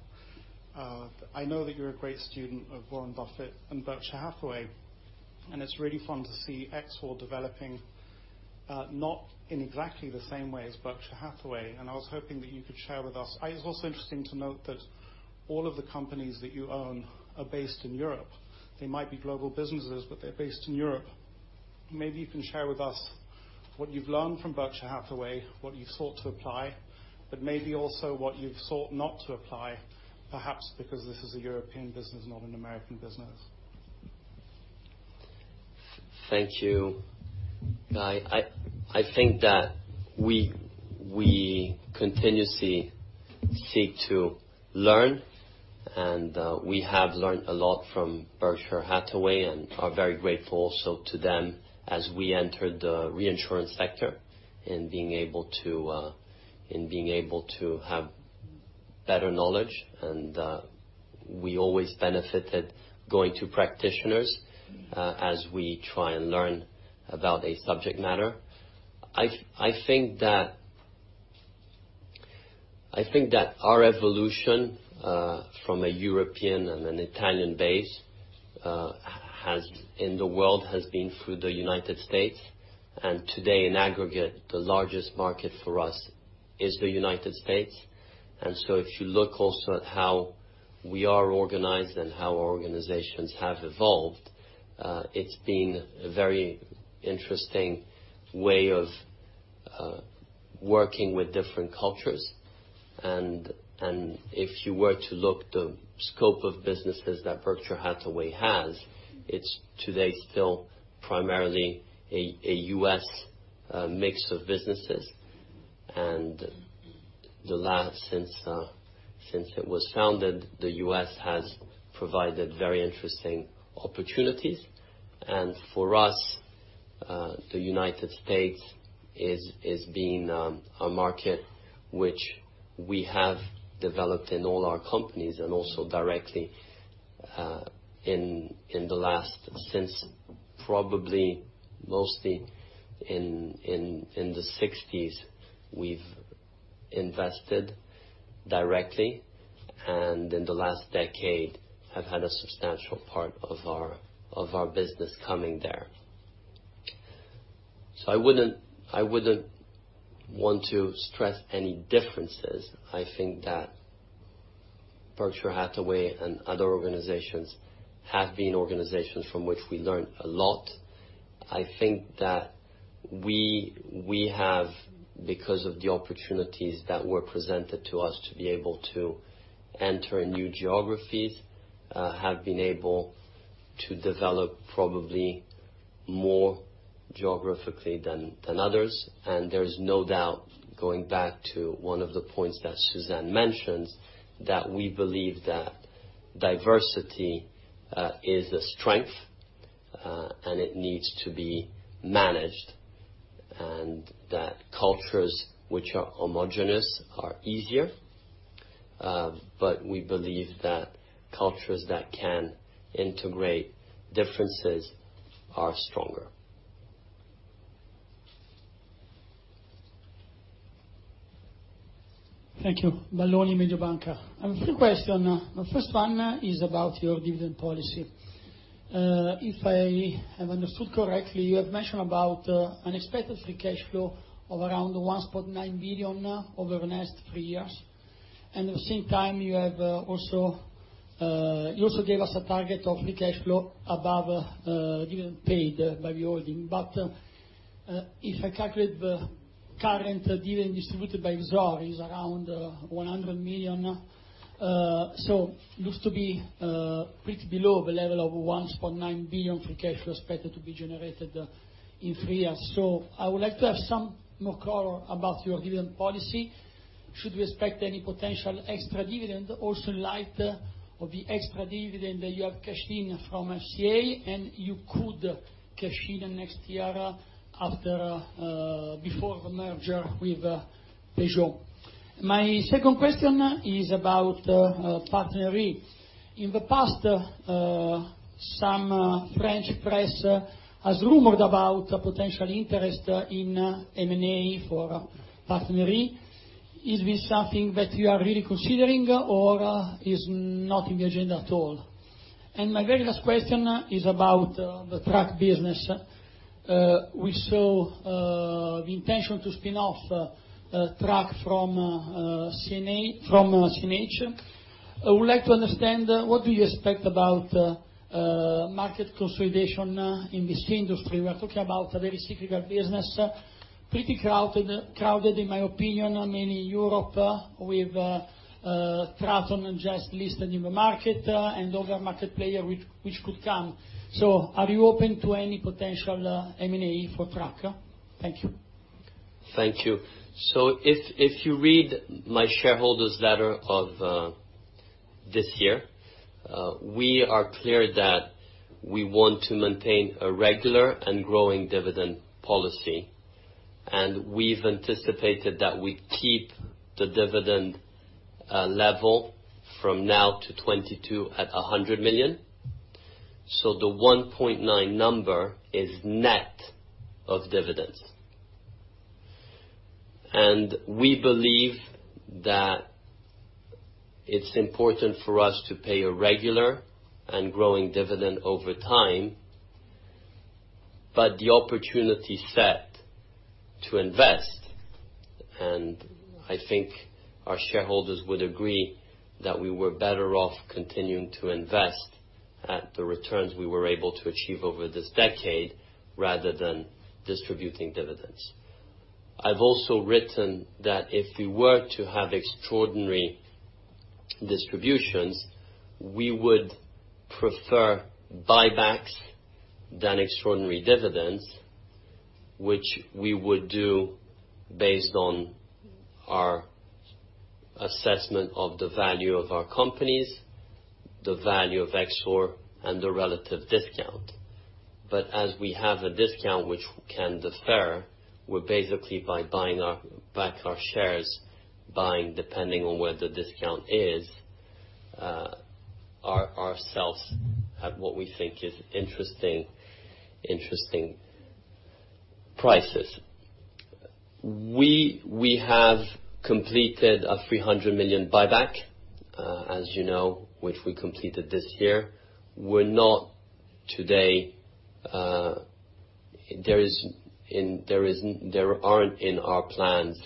I know that you're a great student of Warren Buffett and Berkshire Hathaway, and it's really fun to see Exor developing, not in exactly the same way as Berkshire Hathaway. I was hoping that you could share with us. It's also interesting to note that all of the companies that you own are based in Europe. They might be global businesses, but they're based in Europe. Maybe you can share with us what you've learned from Berkshire Hathaway, what you've sought to apply, but maybe also what you've sought not to apply, perhaps because this is a European business, not an American business. Thank you, Guy. I think that we continuously seek to learn, and we have learned a lot from Berkshire Hathaway and are very grateful also to them, as we entered the reinsurance sector, in being able to have better knowledge. We always benefited going to practitioners as we try and learn about a subject matter. I think that our evolution from a European and an Italian base in the world has been through the United States. Today, in aggregate, the largest market for us is the United States. So if you look also at how we are organized and how our organizations have evolved, it's been a very interesting way of working with different cultures. If you were to look the scope of businesses that Berkshire Hathaway has, it's today still primarily a U.S. mix of businesses. Since it was founded, the U.S. has provided very interesting opportunities. For us, the United States is being a market which we have developed in all our companies and also directly in the last, since probably mostly in the '60s, we've invested directly. In the last decade have had a substantial part of our business coming there. I wouldn't want to stress any differences. I think that Berkshire Hathaway and other organizations have been organizations from which we learned a lot. I think that we have, because of the opportunities that were presented to us to be able to enter new geographies, have been able to develop probably more geographically than others. There's no doubt, going back to one of the points that Suzanne mentioned, that we believe that diversity is a strength, and it needs to be managed. That cultures which are homogenous are easier. We believe that cultures that can integrate differences are stronger. Thank you. Balloni, Mediobanca. I have three question. The first one is about your dividend policy. If I have understood correctly, you have mentioned about unexpected free cash flow of around 1.9 billion over the next three years. At the same time, you also gave us a target of free cash flow above dividend paid by the holding. If I calculate the current dividend distributed by Exor is around 100 million. Looks to be pretty below the level of 1.9 billion free cash flow expected to be generated in three years. I would like to have some more color about your dividend policy. Should we expect any potential extra dividend also in light of the extra dividend that you have cashed in from FCA, and you could cash in next year before the merger with Peugeot? My second question is about PartnerRe. In the past, some French press has rumored about a potential interest in M&A for PartnerRe. Is this something that you are really considering or is not in the agenda at all? My very last question is about the truck business. We saw the intention to spin off truck from CNH. I would like to understand, what do you expect about market consolidation in this industry? We are talking about a very cyclical business, pretty crowded, in my opinion, mainly Europe with, Traton just listed in the market and other market player which could come. Are you open to any potential M&A for truck? Thank you. Thank you. If you read my shareholders' letter of this year, we are clear that we want to maintain a regular and growing dividend policy. We've anticipated that we keep the dividend level from now to 2022 at 100 million. The 1.9 number is net of dividends. We believe that it's important for us to pay a regular and growing dividend over time. The opportunity set to invest, and I think our shareholders would agree, that we were better off continuing to invest at the returns we were able to achieve over this decade rather than distributing dividends. I've also written that if we were to have extraordinary distributions, we would prefer buybacks than extraordinary dividends, which we would do based on our assessment of the value of our companies, the value of Exor, and the relative discount. As we have a discount which can defer, we're basically by buying back our shares, buying depending on where the discount is, ourselves at what we think is interesting prices. We have completed a 300 million buyback, as you know, which we completed this year. There aren't in our plans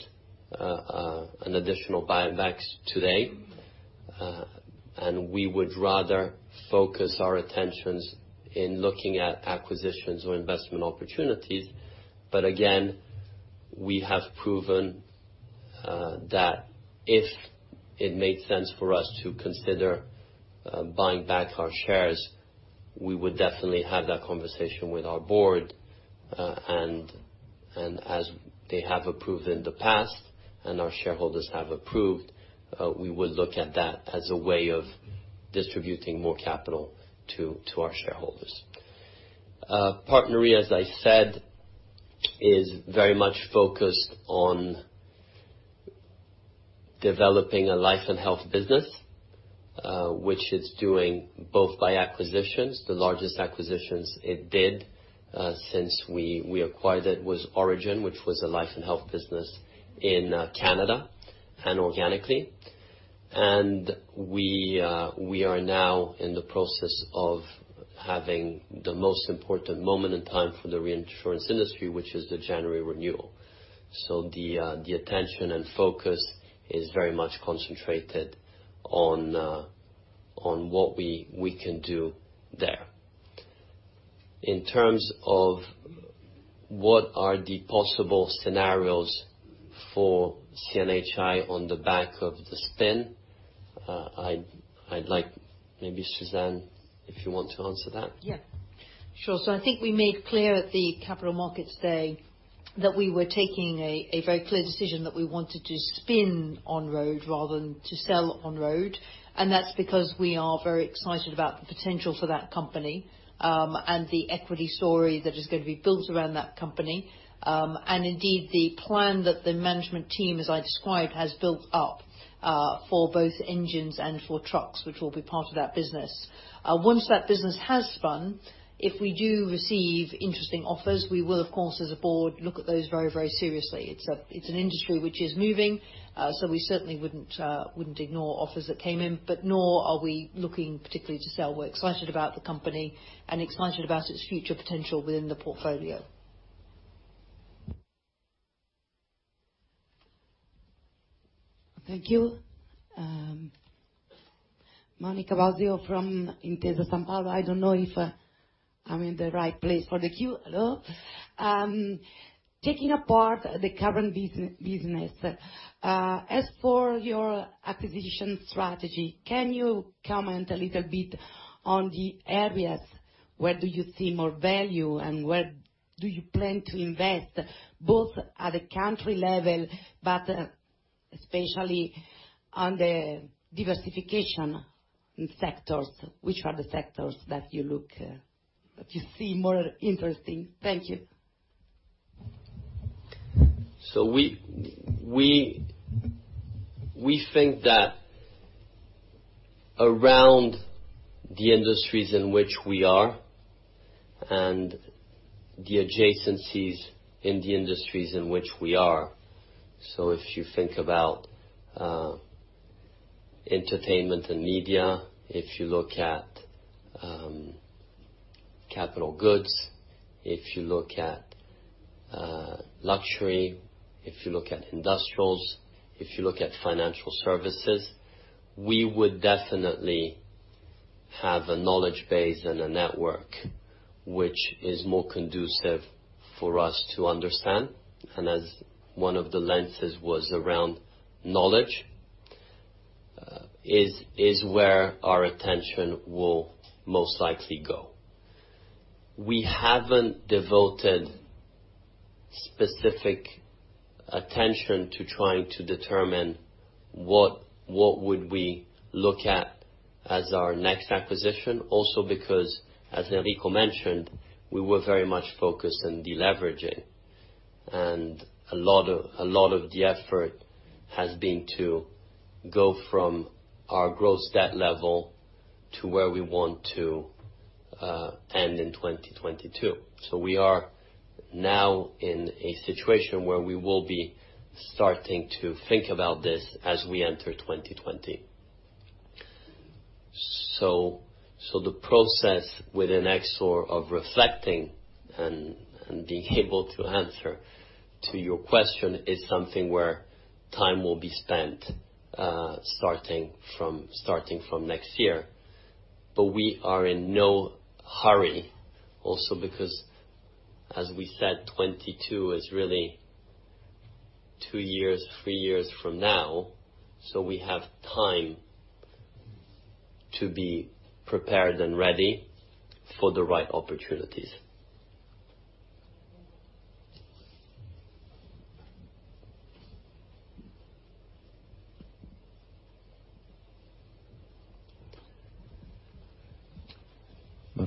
an additional buybacks today. We would rather focus our attentions in looking at acquisitions or investment opportunities. Again, we have proven that if it made sense for us to consider buying back our shares, we would definitely have that conversation with our board. As they have approved in the past and our shareholders have approved, we would look at that as a way of distributing more capital to our shareholders. PartnerRe, as I said, is very much focused on developing a life and health business, which is doing both by acquisitions. The largest acquisitions it did, since we acquired it, was Aurigen, which was a life and health business in Canada and organically. We are now in the process of having the most important moment in time for the reinsurance industry, which is the January renewal. The attention and focus is very much concentrated on what we can do there. In terms of what are the possible scenarios for CNHI on the back of the spin, I'd like maybe Suzanne, if you want to answer that. Yeah. Sure. I think we made clear at the Capital Markets Day that we were taking a very clear decision that we wanted to spin On-Road rather than to sell On-Road, and that's because we are very excited about the potential for that company, and the equity story that is going to be built around that company. Indeed, the plan that the management team, as I described, has built up, for both engines and for trucks, which will be part of that business. Once that business has spun, if we do receive interesting offers, we will, of course, as a board, look at those very, very seriously. It's an industry which is moving, so we certainly wouldn't ignore offers that came in. Nor are we looking particularly to sell. We're excited about the company and excited about its future potential within the portfolio. Thank you. Monica Bosio from Intesa Sanpaolo. I don't know if I'm in the right place for the queue, hello. Taking apart the current business, as for your acquisition strategy, can you comment a little bit on the areas? Where do you see more value, and where do you plan to invest, both at a country level, but especially on the diversification in sectors? Which are the sectors that you see more interesting? Thank you. We think that around the industries in which we are, and the adjacencies in the industries in which we are. If you think about entertainment and media, if you look at capital goods, if you look at luxury, if you look at industrials, if you look at financial services, we would definitely have a knowledge base and a network which is more conducive for us to understand. As one of the lenses was around knowledge, is where our attention will most likely go. We haven't devoted specific attention to trying to determine what would we look at as our next acquisition. Because, as Enrico mentioned, we were very much focused on deleveraging. A lot of the effort has been to go from our gross debt level to where we want to end in 2022. We are now in a situation where we will be starting to think about this as we enter 2020. The process within Exor of reflecting and being able to answer to your question is something where time will be spent, starting from next year. We are in no hurry, also because, as we said, 2022 is really two years, three years from now. We have time to be prepared and ready for the right opportunities.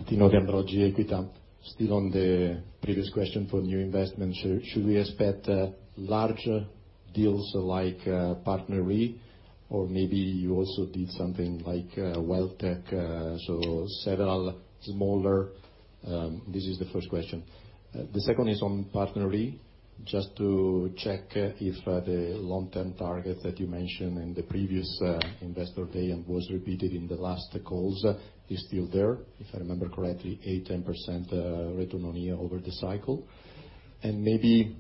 Martino De Ambroggi, EQUITA. Still on the previous question for new investments, should we expect larger deals like PartnerRe, or maybe you also did something like Welltec, so several smaller? This is the first question. The second is on PartnerRe, just to check if the long-term target that you mentioned in the previous Investor Day and was repeated in the last calls is still there. If I remember correctly, 8%-10% return over the cycle. Maybe,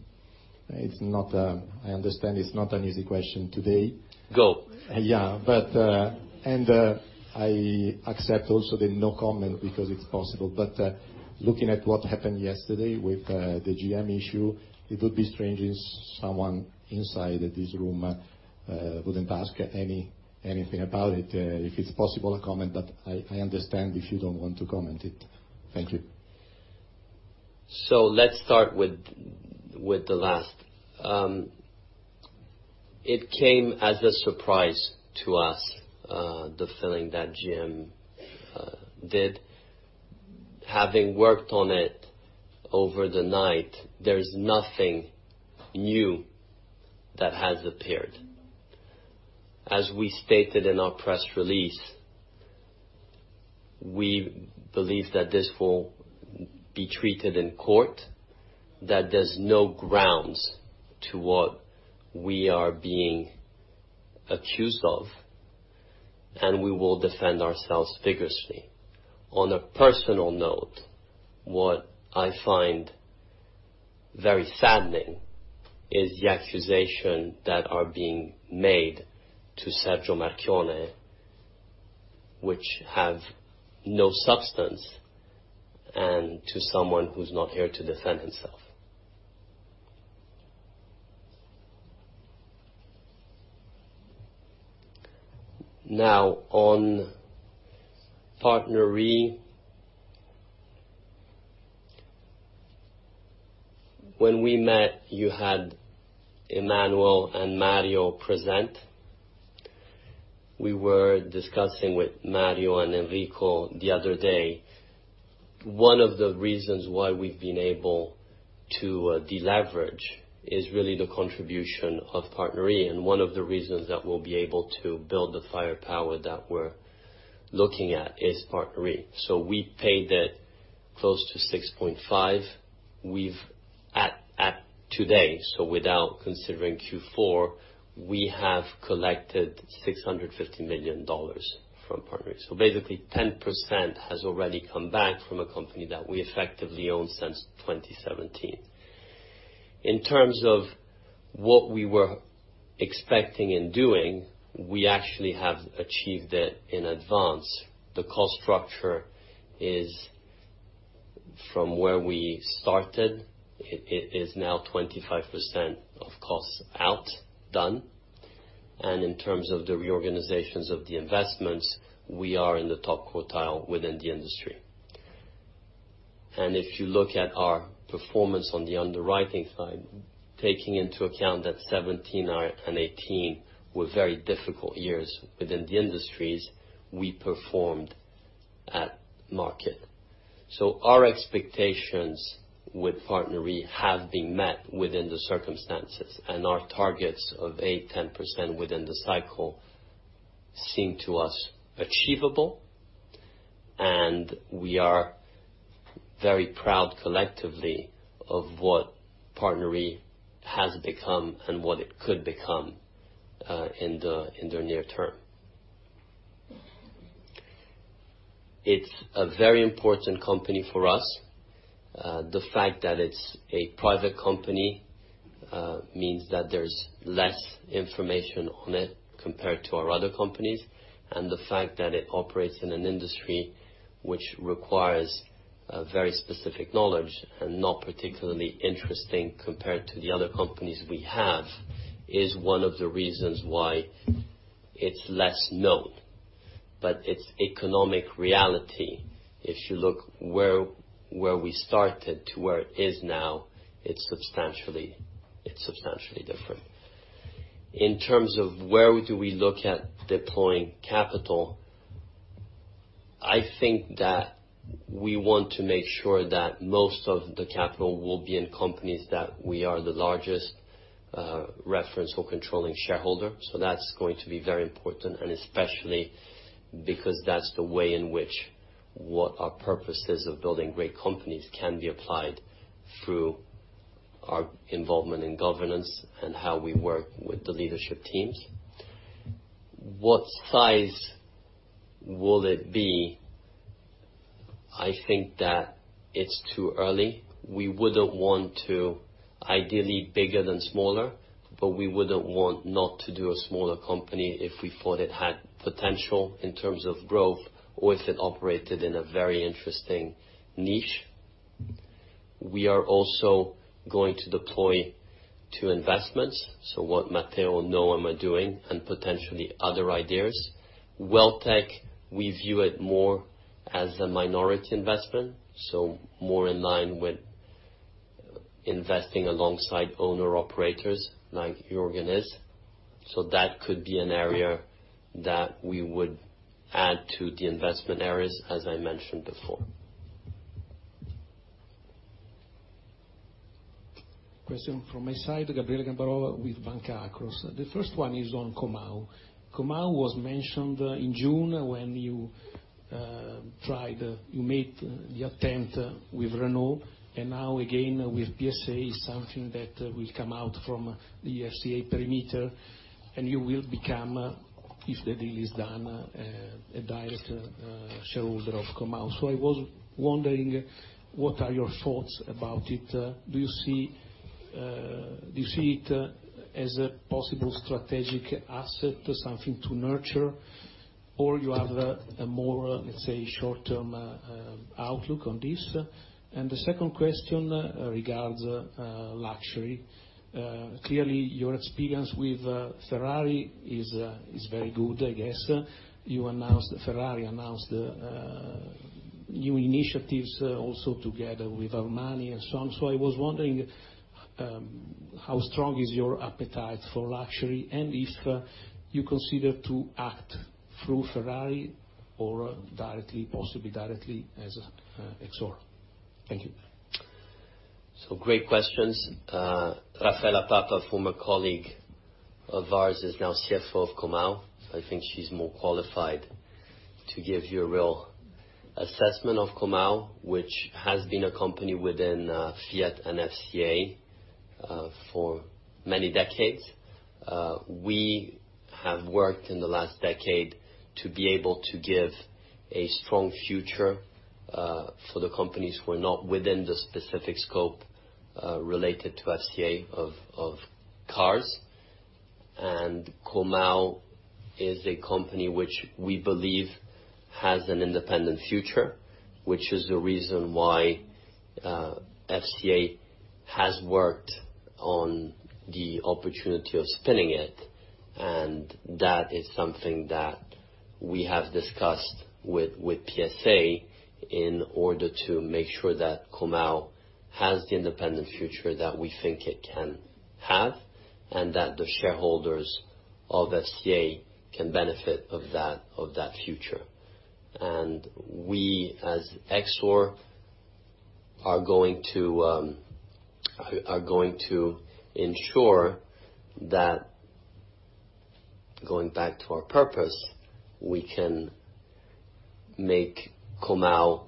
I understand it's not an easy question today. Go. Yeah. I accept also the "no comment" because it's possible, but looking at what happened yesterday with the GM issue, it would be strange if someone inside this room wouldn't ask anything about it. If it's possible, a comment, but I understand if you don't want to comment it. Thank you. Let's start with the last. It came as a surprise to us, the filing that GM did. Having worked on it over the night, there's nothing new that has appeared. As we stated in our press release, we believe that this will be treated in court, that there's no grounds to what we are being accused of, and we will defend ourselves vigorously. On a personal note, what I find very saddening is the accusation that are being made to Sergio Marchionne, which have no substance, and to someone who's not here to defend himself. On PartnerRe, when we met, you had Emmanuel and Mario present. We were discussing with Mario and Enrico the other day. One of the reasons why we've been able to deleverage is really the contribution of PartnerRe, and one of the reasons that we'll be able to build the firepower that we're looking at is PartnerRe. We paid it close to 6.5. At today, without considering Q4, we have collected $650 million from PartnerRe. Basically, 10% has already come back from a company that we effectively owned since 2017. In terms of what we were expecting and doing, we actually have achieved it in advance. The cost structure is from where we started, it is now 25% of costs out, done. In terms of the reorganizations of the investments, we are in the top quartile within the industry. If you look at our performance on the underwriting side, taking into account that 2017 and 2018 were very difficult years within the industries, we performed at market. Our expectations with PartnerRe have been met within the circumstances, and our targets of 8%, 10% within the cycle seem to us achievable. We are very proud collectively of what PartnerRe has become and what it could become in the near term. It's a very important company for us. The fact that it's a private company, means that there's less information on it compared to our other companies. The fact that it operates in an industry which requires a very specific knowledge and not particularly interesting compared to the other companies we have, is one of the reasons why it's less known. Its economic reality, if you look where we started to where it is now, it's substantially different. In terms of where do we look at deploying capital, I think that we want to make sure that most of the capital will be in companies that we are the largest referential controlling shareholder. That's going to be very important. Especially because that's the way in which, what our purpose is of building great companies can be applied through our involvement in governance and how we work with the leadership teams. What size will it be? I think that it's too early. We wouldn't want to ideally bigger than smaller, but we wouldn't want not to do a smaller company if we thought it had potential in terms of growth, or if it operated in a very interesting niche. We are also going to deploy to investments. What Matteo and Noam are doing and potentially other ideas. Welltec, we view it more as a minority investment, so more in line with investing alongside owner operators like Juergen is. That could be an area that we would add to the investment areas, as I mentioned before. Question from my side, Gabriele Gambarova with Banca Akros. The first one is on Comau. Comau was mentioned in June when you made the attempt with Renault and now again with PSA is something that will come out from the FCA perimeter, and you will become, if the deal is done, a direct shareholder of Comau. I was wondering, what are your thoughts about it? Do you see it as a possible strategic asset or something to nurture? You have a more, let's say, short-term outlook on this? The second question regards luxury. Clearly, your experience with Ferrari is very good, I guess. Ferrari announced new initiatives also together with Armani and so on. I was wondering, how strong is your appetite for luxury and if you consider to act through Ferrari or possibly directly as Exor. Thank you. Great questions. Raffaella Papa, former colleague of ours, is now CFO of Comau. I think she's more qualified to give you a real assessment of Comau, which has been a company within Fiat and FCA for many decades. We have worked in the last decade to be able to give a strong future, for the companies who are not within the specific scope, related to FCA of cars. Comau is a company which we believe has an independent future, which is the reason why FCA has worked on the opportunity of spinning it. That is something that we have discussed with PSA in order to make sure that Comau has the independent future that we think it can have, and that the shareholders of FCA can benefit of that future. We, as Exor, are going to ensure that, going back to our purpose, we can make Comau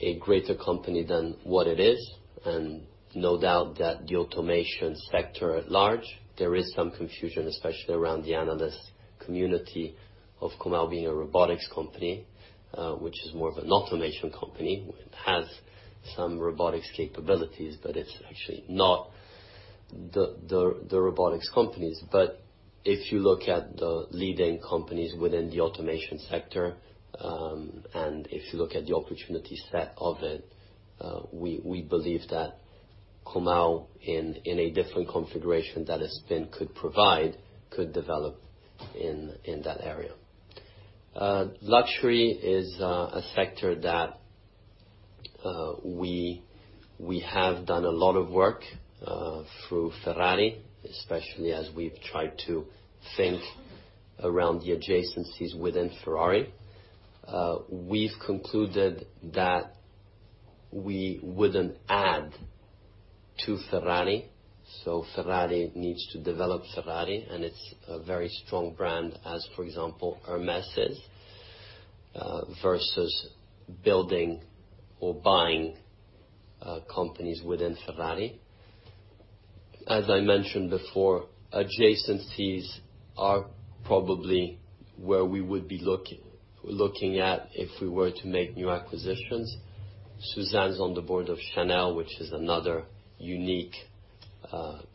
a greater company than what it is. No doubt that the automation sector at large, there is some confusion, especially around the analyst community of Comau being a robotics company, which is more of an automation company. It has some robotics capabilities, but it's actually not the robotics companies. If you look at the leading companies within the automation sector, and if you look at the opportunity set of it, we believe that Comau, in a different configuration that a spin could provide, could develop in that area. Luxury is a sector that we have done a lot of work through Ferrari, especially as we've tried to think around the adjacencies within Ferrari. We've concluded that we wouldn't add to Ferrari. Ferrari needs to develop Ferrari, and it's a very strong brand, as for example, Hermès is, versus building or buying companies within Ferrari. As I mentioned before, adjacencies are probably where we would be looking at if we were to make new acquisitions. Suzanne's on the board of Chanel, which is another unique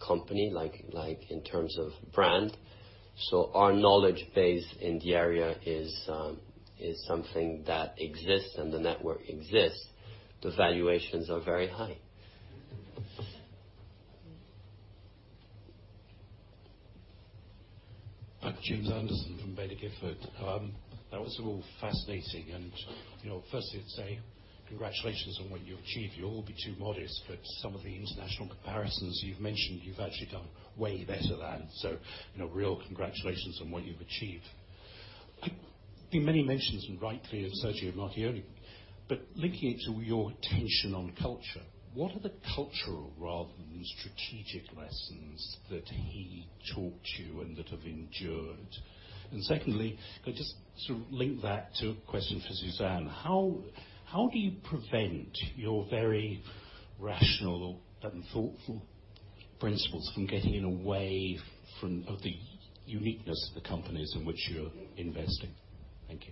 company in terms of brand. Our knowledge base in the area is something that exists, and the network exists. The valuations are very high. James Anderson from Baillie Gifford. That was all fascinating. Firstly, I'd say congratulations on what you achieved. You'll all be too modest, but some of the international comparisons you've mentioned, you've actually done way better than. Real congratulations on what you've achieved. You've made many mentions, and rightly, of Sergio Marchionne, but linking it to your tension on culture, what are the cultural rather than strategic lessons that he taught you and that have endured? Secondly, could I just link that to a question for Suzanne. How do you prevent your very rational and thoughtful principles from getting in the way of the uniqueness of the companies in which you're investing? Thank you.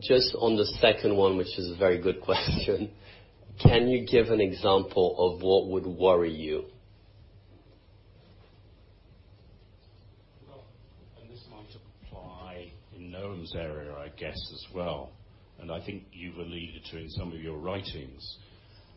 Just on the second one, which is a very good question. Can you give an example of what would worry you? Well, this might apply in Noam's area, I guess, as well, and I think you've alluded to in some of your writings.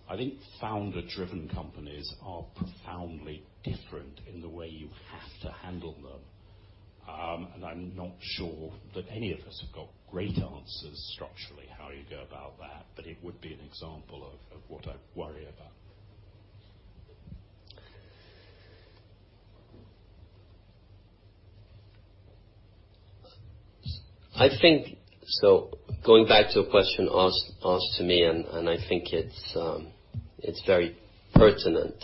I think founder-driven companies are profoundly different in the way you have to handle them. I'm not sure that any of us have got great answers structurally how you go about that. It would be an example of what I worry about. Going back to a question asked to me, I think it's very pertinent.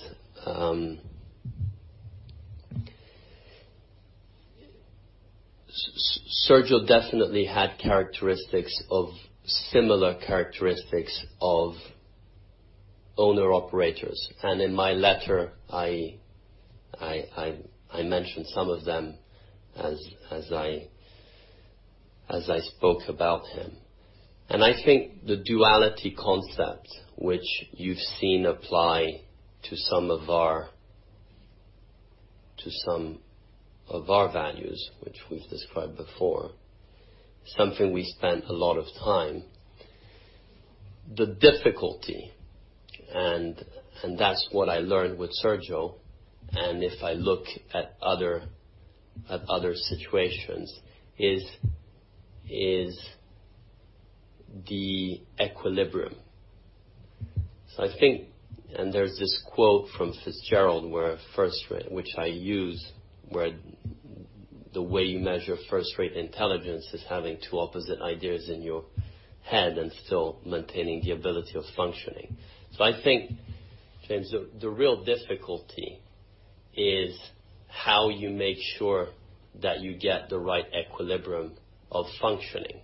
Sergio definitely had similar characteristics of owner/operators, and in my letter I mentioned some of them as I spoke about him. I think the duality concept, which you've seen apply to some of our values, which we've described before, something we spent a lot of time. The difficulty, and that's what I learned with Sergio, and if I look at other situations is the equilibrium. There's this quote from Fitzgerald, which I use, where "The way you measure first-rate intelligence is having two opposite ideas in your head and still maintaining the ability of functioning." I think, James, the real difficulty is how you make sure that you get the right equilibrium of functioning.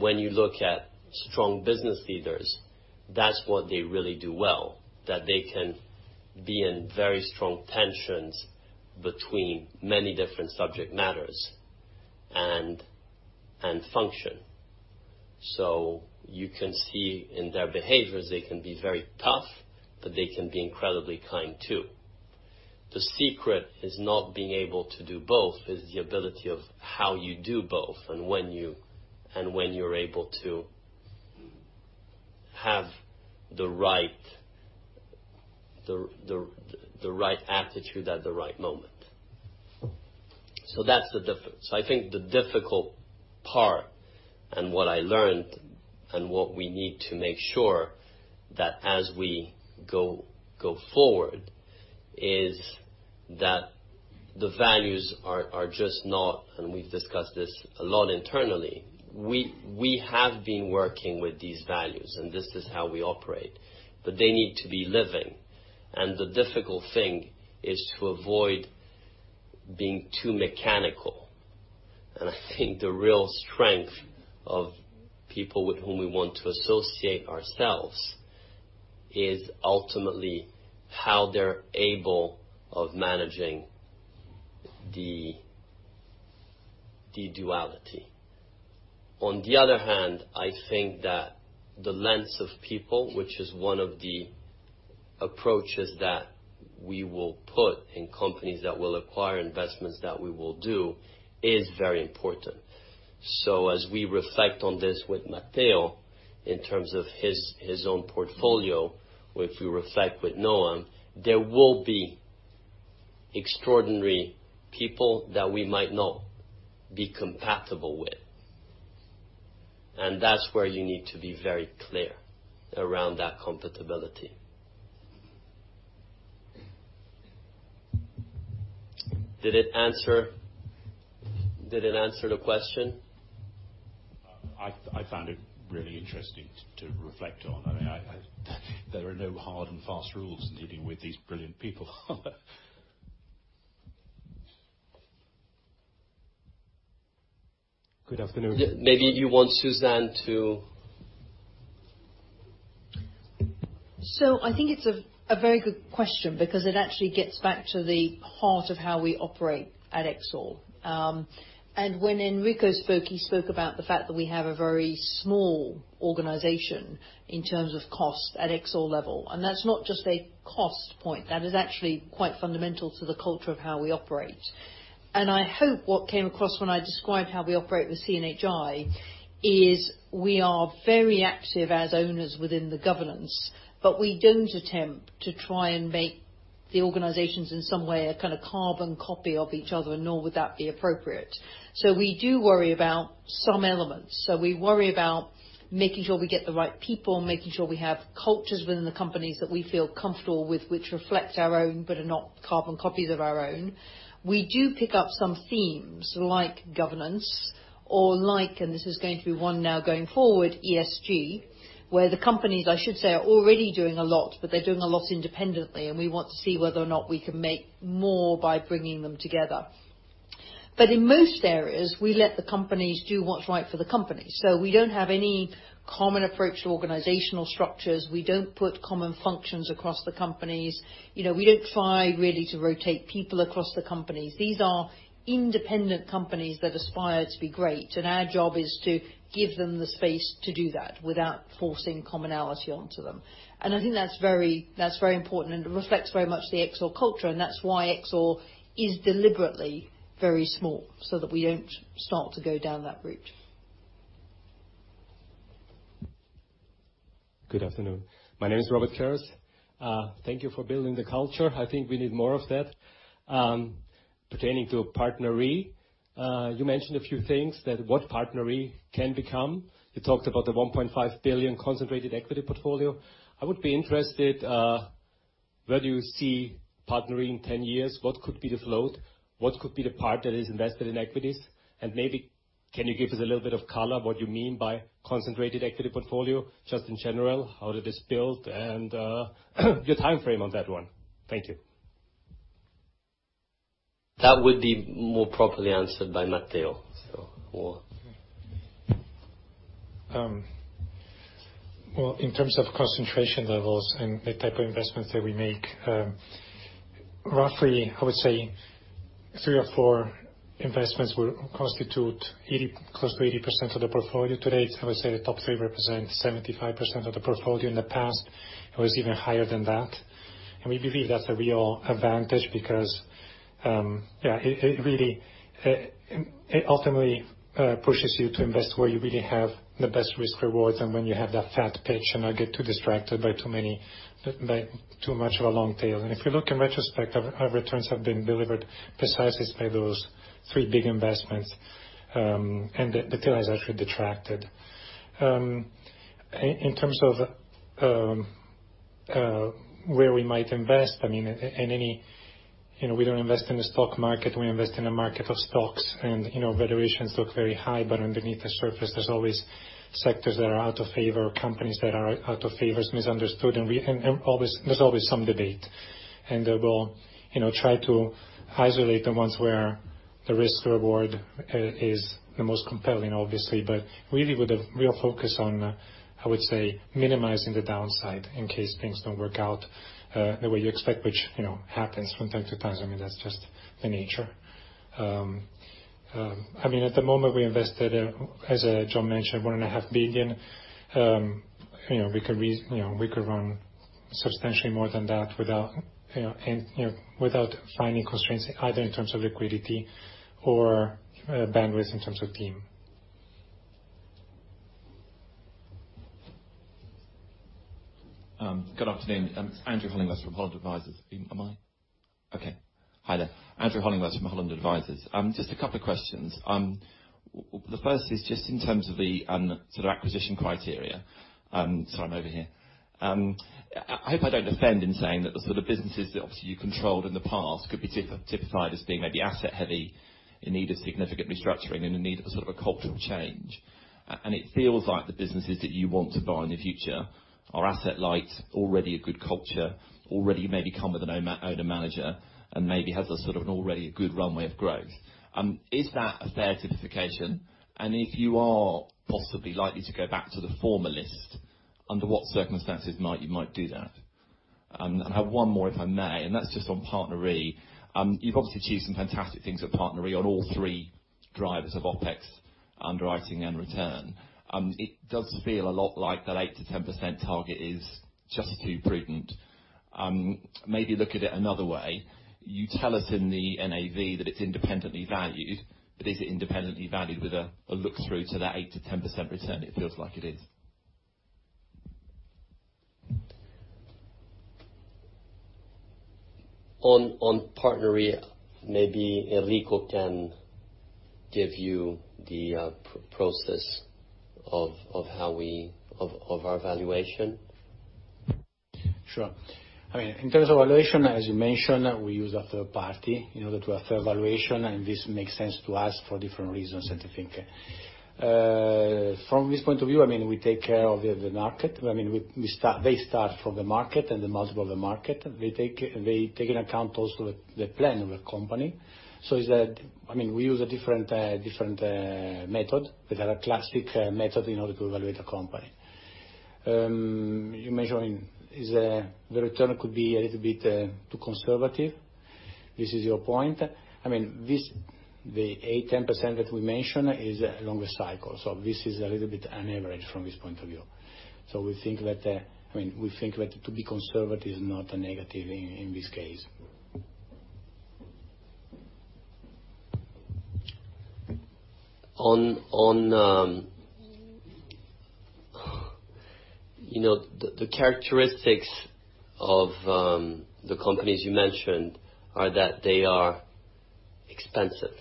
When you look at strong business leaders, that's what they really do well, that they can be in very strong tensions between many different subject matters and function. You can see in their behaviors, they can be very tough, but they can be incredibly kind, too. The secret is not being able to do both, is the ability of how you do both, and when you're able to have the right attitude at the right moment. That's the difference. I think the difficult part, and what I learned, and what we need to make sure that as we go forward, is that the values are just not, and we've discussed this a lot internally, we have been working with these values, and this is how we operate, but they need to be living. The difficult thing is to avoid being too mechanical. I think the real strength of people with whom we want to associate ourselves is ultimately how they're able of managing the duality. On the other hand, I think that the lens of people, which is one of the approaches that we will put in companies that will acquire investments that we will do, is very important. As we reflect on this with Matteo in terms of his own portfolio, or if we reflect with Noam, there will be extraordinary people that we might not be compatible with. That's where you need to be very clear around that compatibility. Did it answer the question? I found it really interesting to reflect on. There are no hard and fast rules in dealing with these brilliant people. Good afternoon. Maybe you want Suzanne to I think it's a very good question because it actually gets back to the heart of how we operate at Exor. When Enrico spoke, he spoke about the fact that we have a very small organization in terms of cost at Exor level, and that's not just a cost point. That is actually quite fundamental to the culture of how we operate. I hope what came across when I described how we operate with CNHI is we are very active as owners within the governance, but we don't attempt to try and make the organizations in some way a kind of carbon copy of each other, nor would that be appropriate. We do worry about some elements. We worry about making sure we get the right people, making sure we have cultures within the companies that we feel comfortable with, which reflect our own, but are not carbon copies of our own. We do pick up some themes like governance or like, and this is going to be one now going forward, ESG, where the companies, I should say, are already doing a lot, but they're doing a lot independently, and we want to see whether or not we can make more by bringing them together. In most areas, we let the companies do what's right for the company. We don't have any common approach to organizational structures. We don't put common functions across the companies. We don't try really to rotate people across the companies. These are independent companies that aspire to be great. Our job is to give them the space to do that without forcing commonality onto them. I think that's very important and reflects very much the Exor culture, and that's why Exor is deliberately very small so that we don't start to go down that route. Good afternoon. My name is Robert Karas. Thank you for building the culture. I think we need more of that. Pertaining to PartnerRe, you mentioned a few things that what PartnerRe can become. You talked about the 1.5 billion concentrated equity portfolio. I would be interested, where do you see PartnerRe in 10 years? What could be the float? What could be the part that is invested in equities? Maybe can you give us a little bit of color, what you mean by concentrated equity portfolio, just in general, how it is built and your time frame on that one. Thank you. That would be more properly answered by Matteo. Well, in terms of concentration levels and the type of investments that we make, roughly, I would say three or four investments will constitute close to 80% of the portfolio to date. I would say the top three represent 75% of the portfolio. In the past, it was even higher than that. We believe that's a real advantage because, yeah, it ultimately pushes you to invest where you really have the best risk rewards and when you have that fat pitch and not get too distracted by too much of a long tail. If you look in retrospect, our returns have been delivered precisely by those three big investments, and the tail has actually detracted. In terms of where we might invest, we don't invest in the stock market. We invest in a market of stocks, valuations look very high, underneath the surface, there's always sectors that are out of favor or companies that are out of favor, is misunderstood, there's always some debate. We'll try to isolate the ones where the risk reward is the most compelling, obviously, really with a real focus on, I would say, minimizing the downside in case things don't work out the way you expect, which happens from time to time. That's just the nature. At the moment we invested, as John mentioned, one and a half billion. We could run substantially more than that without finding constraints either in terms of liquidity or bandwidth in terms of team. Good afternoon. Andrew Hollingworth from Holland Advisors. Am I Okay. Hi there. Andrew Hollingworth from Holland Advisors. Just a couple of questions. The first is just in terms of the sort of acquisition criteria. Sorry, I'm over here. I hope I don't offend in saying that the sort of businesses that obviously you controlled in the past could be typified as being maybe asset heavy, in need of significant restructuring and in need of a sort of a cultural change. It feels like the businesses that you want to buy in the future are asset light, already a good culture, already maybe come with an owner-manager, and maybe has an already a good runway of growth. Is that a fair simplification? If you are possibly likely to go back to the former list, under what circumstances might you do that? I have one more, if I may, and that's just on PartnerRe. You've obviously achieved some fantastic things at PartnerRe on all three drivers of OpEx, underwriting, and return. It does feel a lot like that 8%-10% target is just too prudent. Maybe look at it another way. You tell us in the NAV that it's independently valued, is it independently valued with a look-through to that 8%-10% return? It feels like it is. On PartnerRe, maybe Enrico can give you the process of our valuation. Sure. In terms of valuation, as you mentioned, we use a third party in order to have fair valuation, and this makes sense to us for different reasons that you think. From this point of view, we take care of the market. They start from the market and the multiple of the market. They take into account also the plan of the company. We use a different method. We have a classic method in order to evaluate the company. You mentioned the return could be a little bit too conservative. This is your point. The eight, 10% that we mentioned is along the cycle. This is a little bit an average from this point of view. We think that to be conservative is not a negative in this case. On the characteristics of the companies you mentioned are that they are expensive.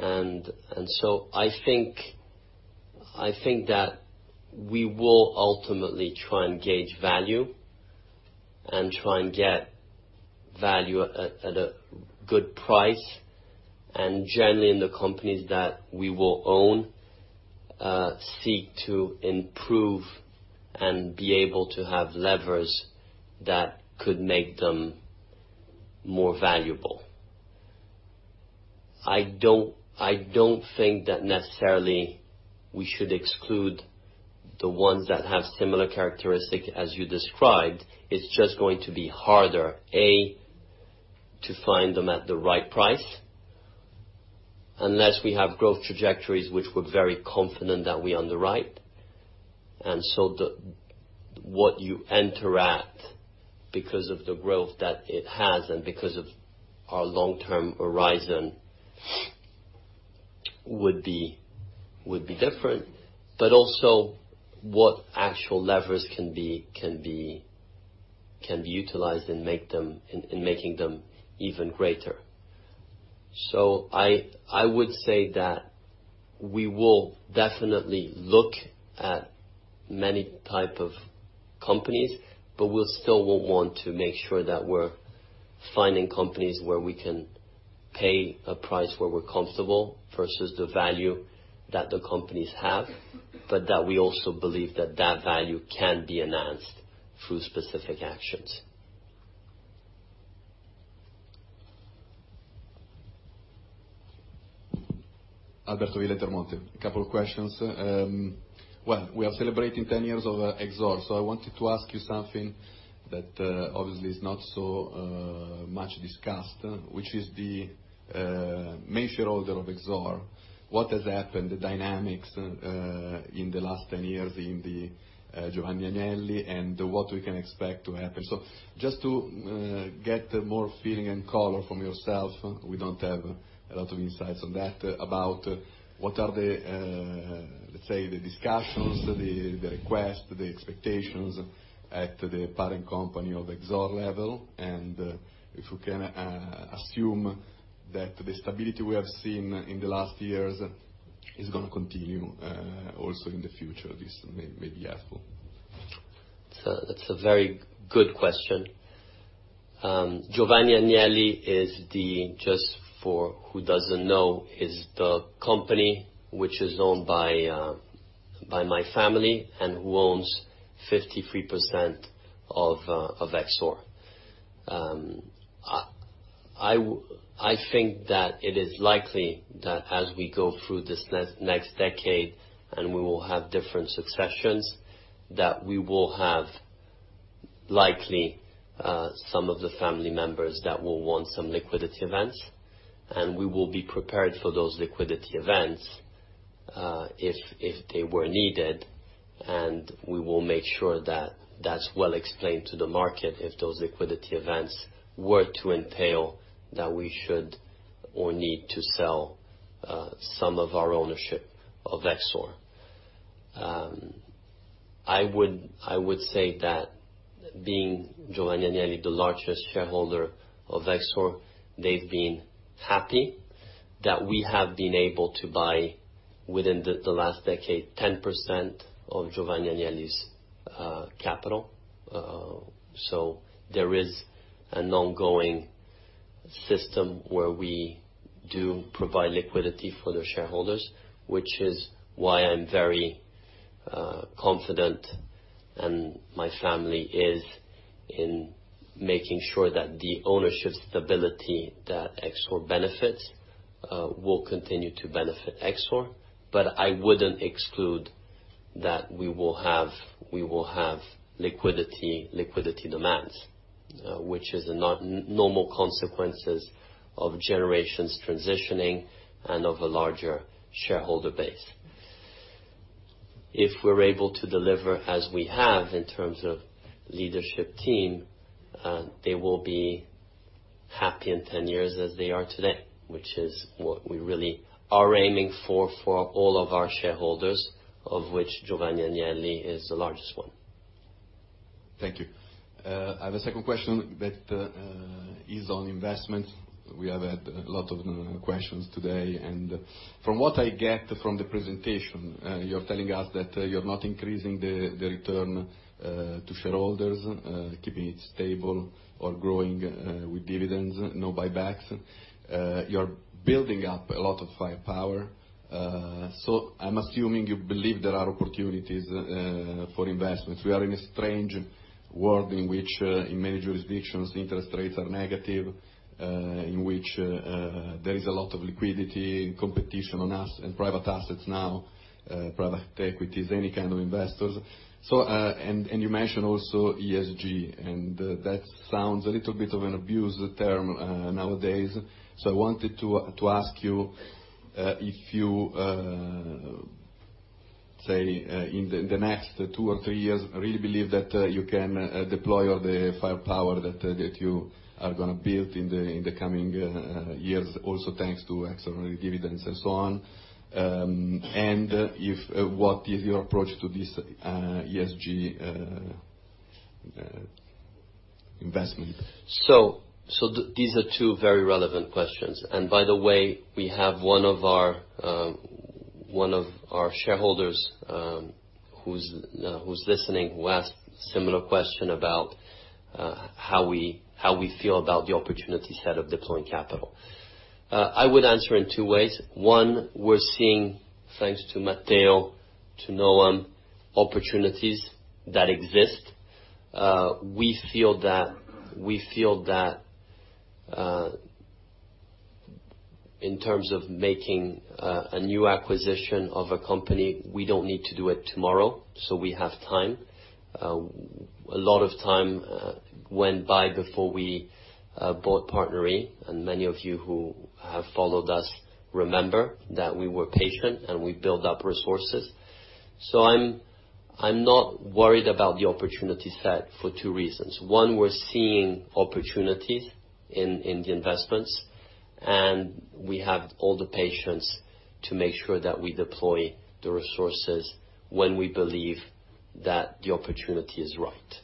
I think that we will ultimately try and gauge value and try and get value at a good price. Generally in the companies that we will own, seek to improve and be able to have levers that could make them more valuable. I don't think that necessarily we should exclude the ones that have similar characteristic as you described. It's just going to be harder, A, to find them at the right price, unless we have growth trajectories which we're very confident that we underwrite. What you enter at, because of the growth that it has and because of our long-term horizon would be different, but also what actual levers can be utilized in making them even greater. I would say that we will definitely look at many type of companies, but we still will want to make sure that we're finding companies where we can pay a price where we're comfortable versus the value that the companies have, but that we also believe that that value can be enhanced through specific actions. Alberto Villa, Intermonte. A couple of questions. We are celebrating 10 years of Exor. I wanted to ask you something that obviously is not so much discussed, which is the main shareholder of Exor. What has happened, the dynamics in the last 10 years in the Giovanni Agnelli, and what we can expect to happen? Just to get more feeling and color from yourself, we don't have a lot of insights on that, about what are the, let's say, the discussions, the request, the expectations at the parent company of Exor level, and if we can assume that the stability we have seen in the last years is going to continue, also in the future. This may be helpful. That's a very good question. Giovanni Agnelli, just for who doesn't know, is the company which is owned by my family and who owns 53% of Exor. I think that it is likely that as we go through this next decade, we will have different successions, that we will have likely some of the family members that will want some liquidity events, and we will be prepared for those liquidity events, if they were needed. We will make sure that that's well explained to the market if those liquidity events were to entail that we should or need to sell some of our ownership of Exor. I would say that being Giovanni Agnelli, the largest shareholder of Exor, they've been happy that we have been able to buy within the last decade, 10% of Giovanni Agnelli's capital. There is an ongoing system where we do provide liquidity for their shareholders, which is why I'm very confident, and my family is, in making sure that the ownership stability that Exor benefits will continue to benefit Exor. I wouldn't exclude that we will have liquidity demands, which is a normal consequences of generations transitioning and of a larger shareholder base. If we're able to deliver as we have in terms of leadership team, they will be happy in 10 years as they are today, which is what we really are aiming for all of our shareholders, of which Giovanni Agnelli is the largest one. Thank you. I have a second question that is on investment. From what I get from the presentation, you're telling us that you're not increasing the return to shareholders, keeping it stable or growing with dividends, no buybacks. You're building up a lot of firepower. I'm assuming you believe there are opportunities for investments. We are in a strange world in which, in many jurisdictions, interest rates are negative, in which there is a lot of liquidity and competition on private assets now, private equities, any kind of investors. You mentioned also ESG, and that sounds a little bit of an abused term nowadays. I wanted to ask you if you, say, in the next two or three years, really believe that you can deploy all the firepower that you are going to build in the coming years, also thanks to accelerated dividends and so on. What is your approach to this ESG investment? These are two very relevant questions. By the way, we have one of our shareholders who's listening, who asked similar question about how we feel about the opportunity set of deploying capital. I would answer in two ways. One, we're seeing, thanks to Matteo, to Noam, opportunities that exist. We feel that in terms of making a new acquisition of a company, we don't need to do it tomorrow, we have time. A lot of time went by before we bought PartnerRe, many of you who have followed us remember that we were patient and we built up resources. I'm not worried about the opportunity set for two reasons. One, we're seeing opportunities in the investments, we have all the patience to make sure that we deploy the resources when we believe that the opportunity is right.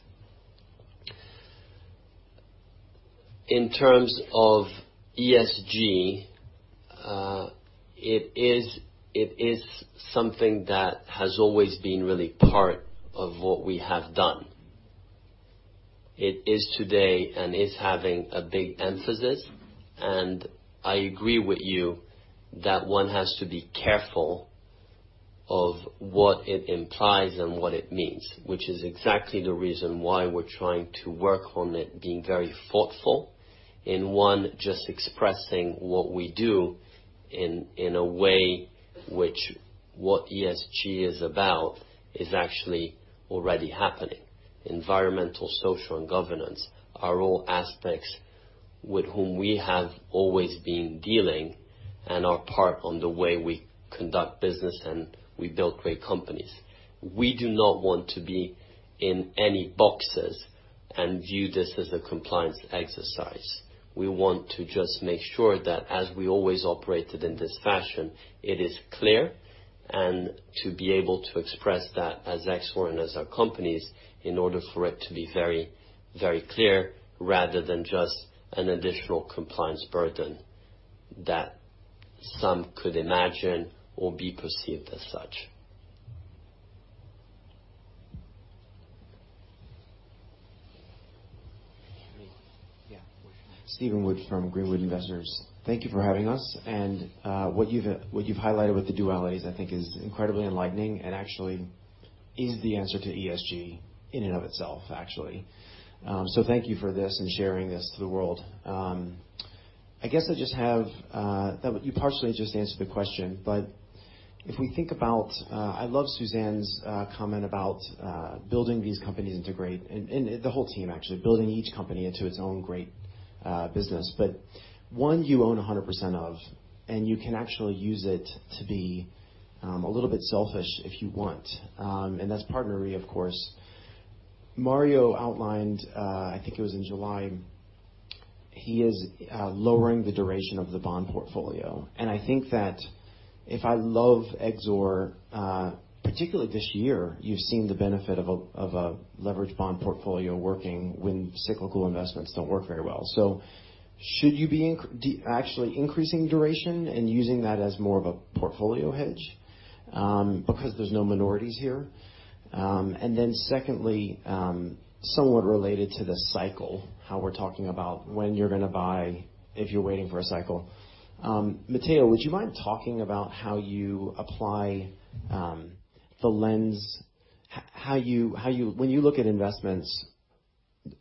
In terms of ESG, it is something that has always been really part of what we have done. It is today and is having a big emphasis, and I agree with you that one has to be careful of what it implies and what it means, which is exactly the reason why we're trying to work on it being very thoughtful. In one, just expressing what we do in a way which what ESG is about is actually already happening. Environmental, social, and governance are all aspects with whom we have always been dealing and are part on the way we conduct business and we build great companies. We do not want to be in any boxes and view this as a compliance exercise. We want to just make sure that as we always operated in this fashion, it is clear, and to be able to express that as Exor and as our companies in order for it to be very clear, rather than just an additional compliance burden that some could imagine or be perceived as such. Steven Wood from GreenWood Investors. Thank you for having us. What you've highlighted with the dualities, I think is incredibly enlightening and actually is the answer to ESG in and of itself actually. Thank you for this and sharing this to the world. You partially just answered the question. If we think about, I love Suzanne's comment about building these companies into great, and the whole team actually, building each company into its own great business. One you own 100% of, and you can actually use it to be a little bit selfish if you want. That's PartnerRe, of course. Mario outlined, I think it was in July, he is lowering the duration of the bond portfolio. I think that if I love Exor, particularly this year, you've seen the benefit of a leverage bond portfolio working when cyclical investments don't work very well. Should you be actually increasing duration and using that as more of a portfolio hedge? Because there's no minorities here. Then secondly, somewhat related to the cycle, how we're talking about when you're going to buy, if you're waiting for a cycle. Matteo, would you mind talking about how you apply the lens when you look at investments,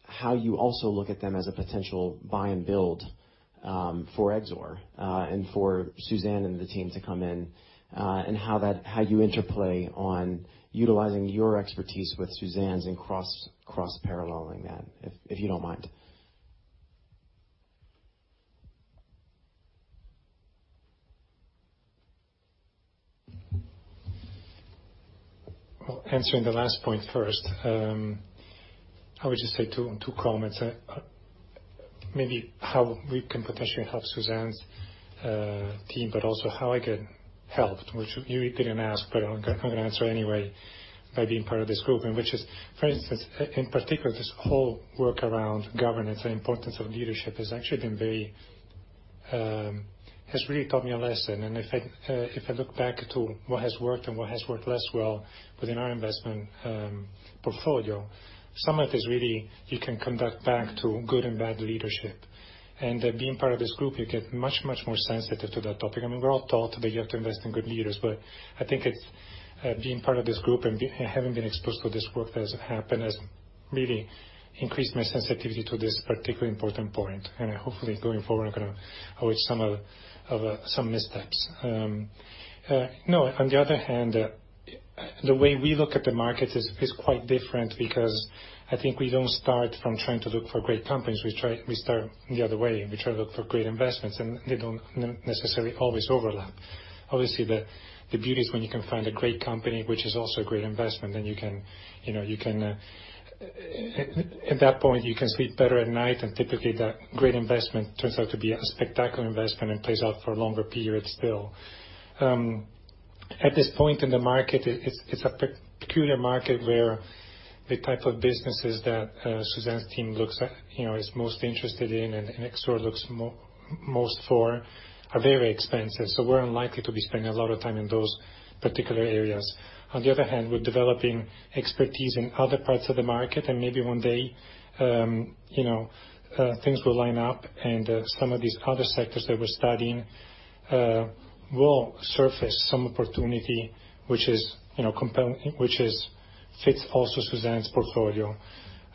how you also look at them as a potential buy and build, for Exor, and for Suzanne and the team to come in, and how you interplay on utilizing your expertise with Suzanne's and cross-paralleling that, if you don't mind? Well, answering the last point first, I would just say two comments. Maybe how we can potentially have Suzanne's team, also how I get helped, which you didn't ask, but I'm going to answer anyway, by being part of this group. Which is, for instance, in particular, this whole work around governance and importance of leadership has really taught me a lesson. If I look back at what has worked and what has worked less well within our investment portfolio, some of it is really, you can conduct back to good and bad leadership. That being part of this group, you get much more sensitive to that topic. We're all taught that you have to invest in good leaders. I think it's being part of this group and having been exposed to this work that has happened has really increased my sensitivity to this particular important point. Hopefully, going forward, I'm going to avoid some missteps. No, on the other hand, the way we look at the market is quite different because I think we don't start from trying to look for great companies. We start the other way, and we try to look for great investments, and they don't necessarily always overlap. Obviously, the beauty is when you can find a great company, which is also a great investment. At that point, you can sleep better at night and typically that great investment turns out to be a spectacular investment and plays out for a longer period still. At this point in the market, it's a peculiar market where the type of businesses that Suzanne's team looks at, is most interested in and Exor looks most for, are very expensive. We're unlikely to be spending a lot of time in those particular areas. On the other hand, we're developing expertise in other parts of the market and maybe one day, things will line up and some of these other sectors that we're studying will surface some opportunity, which fits also Suzanne's portfolio.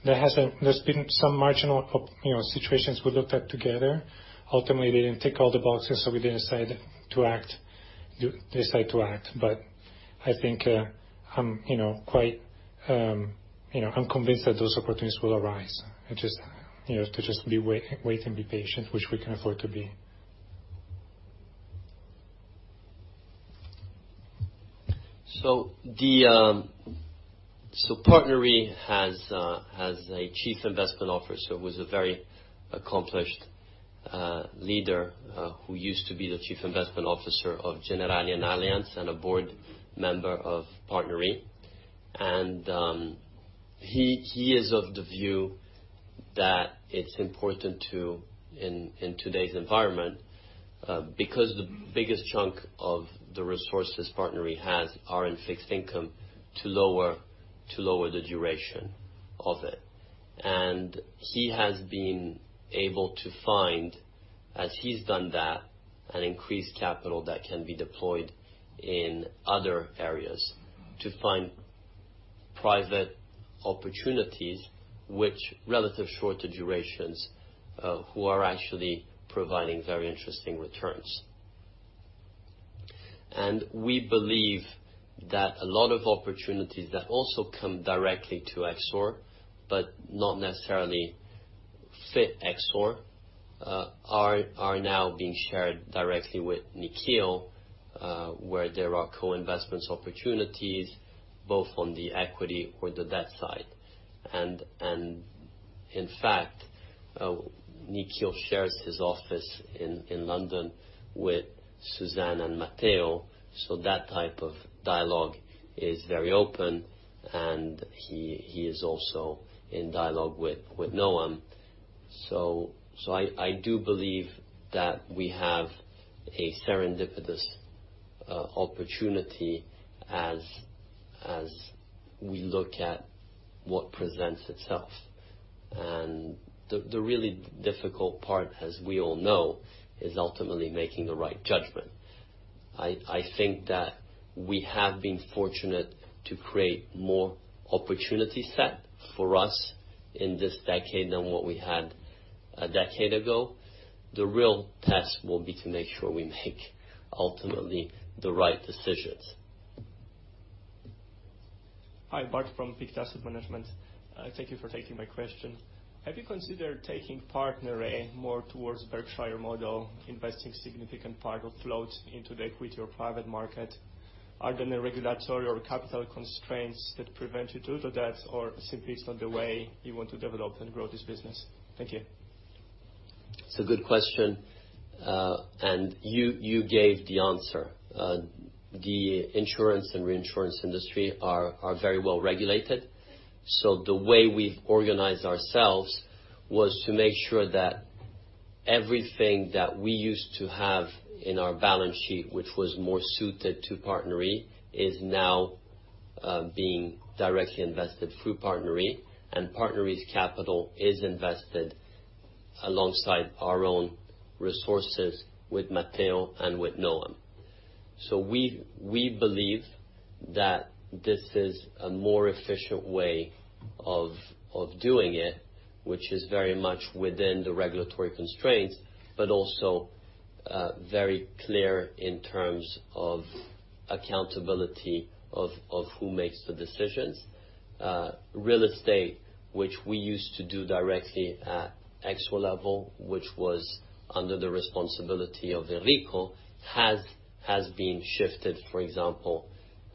There's been some marginal situations we looked at together. Ultimately, they didn't tick all the boxes. We didn't decide to act. I think, I'm convinced that those opportunities will arise. To just wait and be patient, which we can afford to be. PartnerRe has a chief investment officer who's a very accomplished leader, who used to be the chief investment officer of Generali and Allianz and a board member of PartnerRe. He is of the view that it's important to, in today's environment, because the biggest chunk of the resources PartnerRe has are in fixed income to lower the duration of it. He has been able to find, as he's done that, an increased capital that can be deployed in other areas to find private opportunities, which relative shorter durations, who are actually providing very interesting returns. We believe that a lot of opportunities that also come directly to Exor, but not necessarily fit Exor, are now being shared directly with Nikhil, where there are co-investments opportunities, both on the equity or the debt side. In fact, Nikhil shares his office in London with Suzanne and Matteo, so that type of dialogue is very open and he is also in dialogue with Noam. I do believe that we have a serendipitous opportunity as we look at what presents itself. The really difficult part, as we all know, is ultimately making the right judgment. I think that we have been fortunate to create more opportunity set for us in this decade than what we had a decade ago. The real test will be to make sure we make ultimately the right decisions. Hi, Bart from Pictet Asset Management. Thank you for taking my question. Have you considered taking PartnerRe more towards Berkshire model, investing significant part of floats into the equity or private market? Are there any regulatory or capital constraints that prevent you to do that, or simply it's not the way you want to develop and grow this business? Thank you. It's a good question. You gave the answer. The insurance and reinsurance industry are very well-regulated. The way we've organized ourselves was to make sure that everything that we used to have in our balance sheet, which was more suited to PartnerRe, is now being directly invested through PartnerRe, and PartnerRe's capital is invested alongside our own resources with Matteo and with Noam. We believe that this is a more efficient way of doing it, which is very much within the regulatory constraints, but also very clear in terms of accountability of who makes the decisions. Real estate, which we used to do directly at Exor level, which was under the responsibility of Enrico, has been shifted, for example,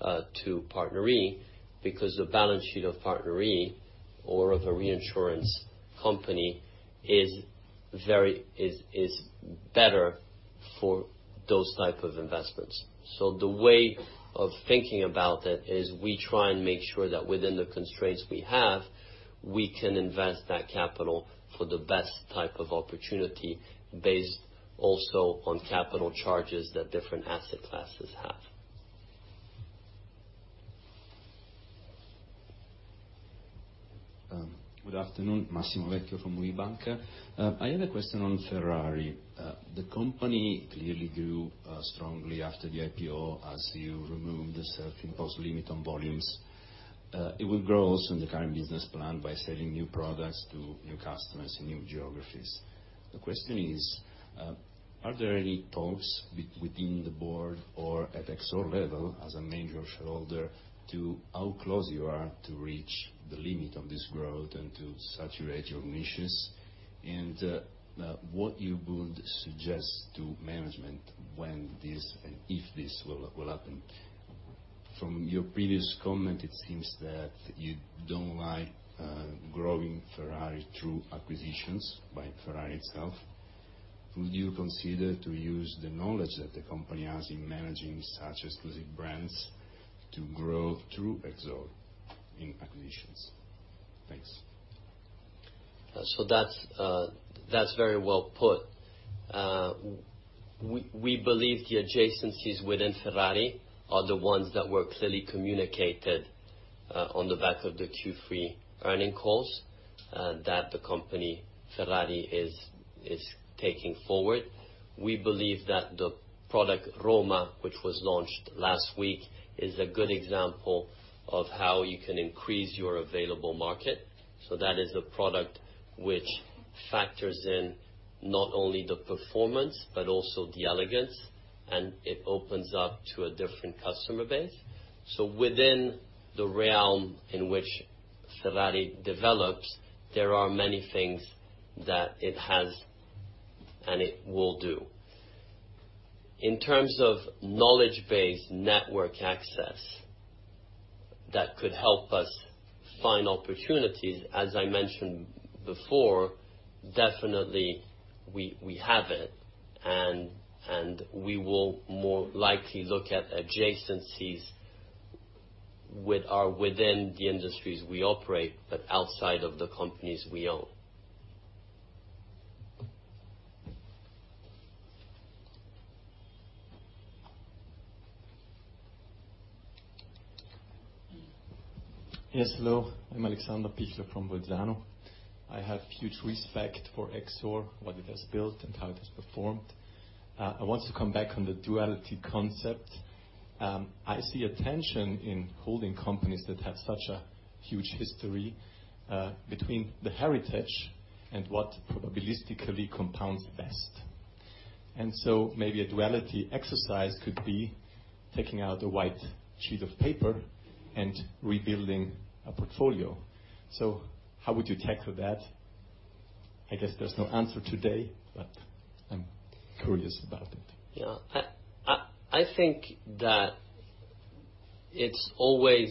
to PartnerRe, because the balance sheet of PartnerRe or of a reinsurance company is better for those type of investments. The way of thinking about it is we try and make sure that within the constraints we have, we can invest that capital for the best type of opportunity based also on capital charges that different asset classes have. Good afternoon. Massimo Vecchio from UBI Banca. I have a question on Ferrari. The company clearly grew strongly after the IPO as you removed the self-imposed limit on volumes. It will grow also in the current business plan by selling new products to new customers in new geographies. The question is, are there any talks within the board or at Exor level as a major shareholder, to how close you are to reach the limit of this growth and to saturate your niches? What you would suggest to management when this and if this will happen? From your previous comment, it seems that you don't like growing Ferrari through acquisitions by Ferrari itself. Would you consider to use the knowledge that the company has in managing such exclusive brands to grow through Exor in acquisitions? Thanks. That's very well put. We believe the adjacencies within Ferrari are the ones that were clearly communicated on the back of the Q3 earnings calls, that the company, Ferrari, is taking forward. We believe that the product Roma, which was launched last week, is a good example of how you can increase your available market. That is a product which factors in not only the performance but also the elegance, and it opens up to a different customer base. Within the realm in which Ferrari develops, there are many things that it has, and it will do. In terms of knowledge base network access that could help us find opportunities, as I mentioned before, definitely we have it, and we will more likely look at adjacencies within the industries we operate, but outside of the companies we own. Yes, hello. I'm Alexander Pichler from Bolzano. I have huge respect for Exor, what it has built and how it has performed. I want to come back on the duality concept. I see a tension in holding companies that have such a huge history between the heritage and what probabilistically compounds best. Maybe a duality exercise could be taking out a white sheet of paper and rebuilding a portfolio. How would you tackle that? I guess there's no answer today, but I'm curious about it. Yeah. I think that it's always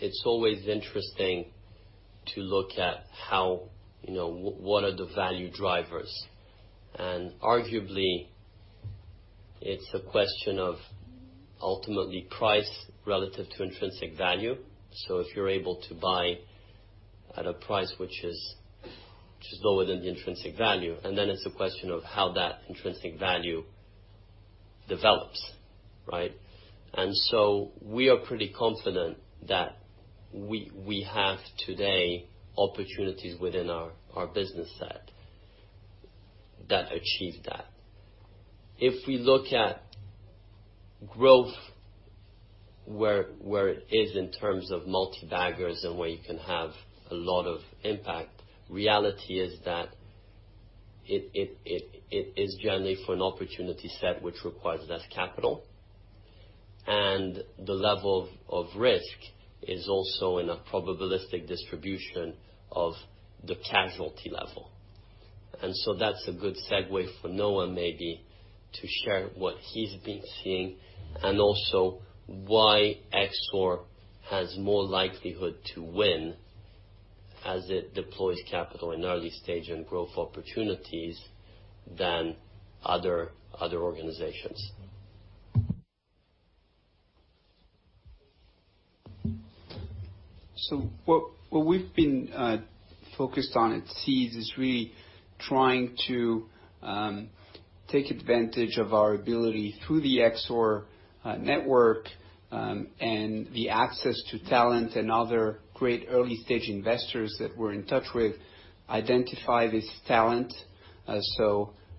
interesting to look at what are the value drivers. Arguably, it's a question of ultimately price relative to intrinsic value. If you're able to buy at a price which is lower than the intrinsic value, then it's a question of how that intrinsic value develops, right? We are pretty confident that we have today opportunities within our business set that achieve that. If we look at growth, where it is in terms of multi-baggers and where you can have a lot of impact, reality is that it is generally for an opportunity set which requires less capital. The level of risk is also in a probabilistic distribution of the casualty level. That's a good segue for Noam maybe to share what he's been seeing and also why Exor has more likelihood to win as it deploys capital in early stage and growth opportunities than other organizations. What we've been focused on at Seeds is really trying to take advantage of our ability through the Exor network, and the access to talent and other great early stage investors that we're in touch with, identify this talent.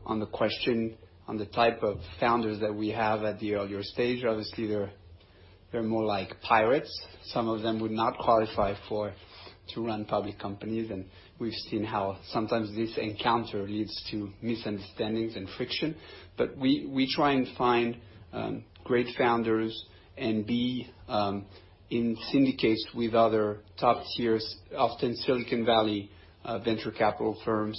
On the question on the type of founders that we have at the earlier stage, obviously they're more like pirates. Some of them would not qualify to run public companies, and we've seen how sometimes this encounter leads to misunderstandings and friction. We try and find great founders and be in syndicates with other top tiers, often Silicon Valley venture capital firms,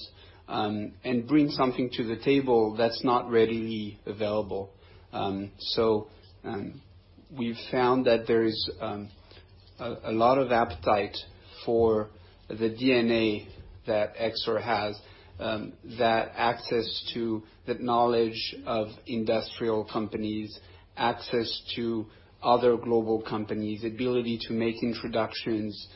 and bring something to the table that's not readily available. We've found that there is a lot of appetite for the DNA that Exor has, that access to that knowledge of industrial companies, access to other global companies, ability to make introductions,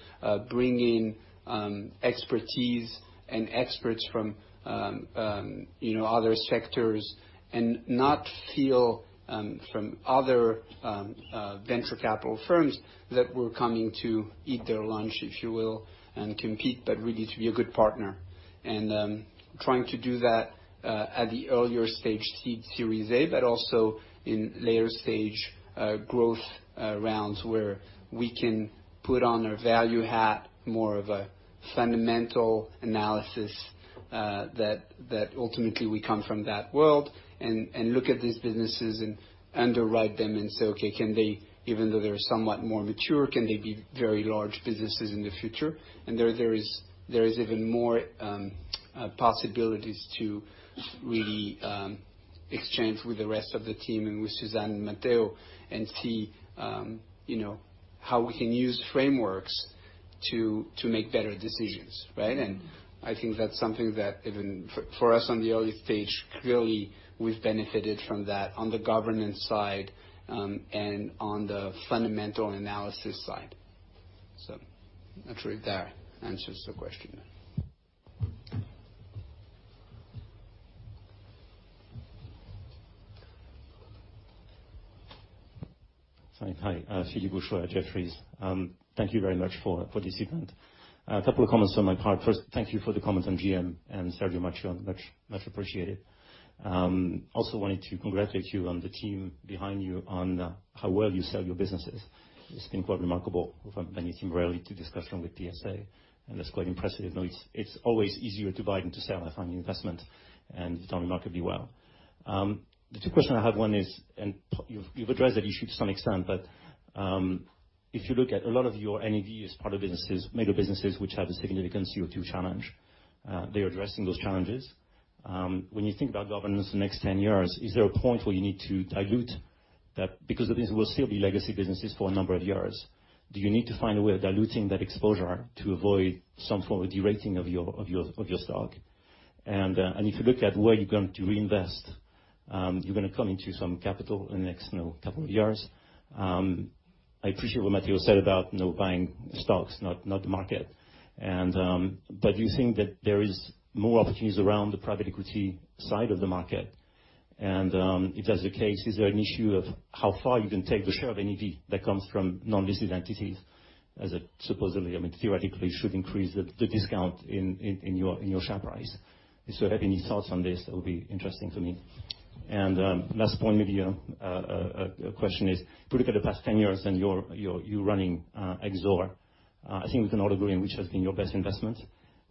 bring in expertise and experts from other sectors and not feel from other venture capital firms that we're coming to eat their lunch, if you will, and compete, but really to be a good partner. Trying to do that at the earlier stage, seed Series A, but also in later stage growth rounds where we can put on our value hat more of a fundamental analysis, that ultimately we come from that world and look at these businesses and underwrite them and say, "Okay, even though they're somewhat more mature, can they be very large businesses in the future?" There is even more possibilities to really exchange with the rest of the team and with Suzanne and Matteo and see how we can use frameworks to make better decisions, right? I think that's something that even for us on the early stage, clearly we've benefited from that on the governance side, and on the fundamental analysis side. I'm not sure if that answers the question. Hi, Philippe Houchois, Jefferies. Thank you very much for this event. A couple of comments on my part. First, thank you for the comments on GM and Sergio Marchionne. Much appreciated. Wanted to congratulate you on the team behind you on how well you sell your businesses. It's been quite remarkable from anything related to discussion with PSA. That's quite impressive. It's always easier to buy than to sell and find new investment. You've done remarkably well. The two questions I have, one is, you've addressed that issue to some extent. If you look at a lot of your NAV as part of businesses, mega businesses, which have a significant CO2 challenge, they're addressing those challenges. When you think about governance the next 10 years, is there a point where you need to dilute that, because these will still be legacy businesses for a number of years. Do you need to find a way of diluting that exposure to avoid some form of de-rating of your stock? If you look at where you're going to reinvest, you're going to come into some capital in the next couple of years. I appreciate what Matteo said about buying stocks, not the market. Do you think that there is more opportunities around the private equity side of the market? If that's the case, is there an issue of how far you can take the share of NAV that comes from non-listed entities as a supposedly, theoretically, should increase the discount in your share price? If so, have any thoughts on this? That would be interesting to me. Last point, maybe a question is, looking at the past 10 years and you running Exor, I think we can all agree on which has been your best investment.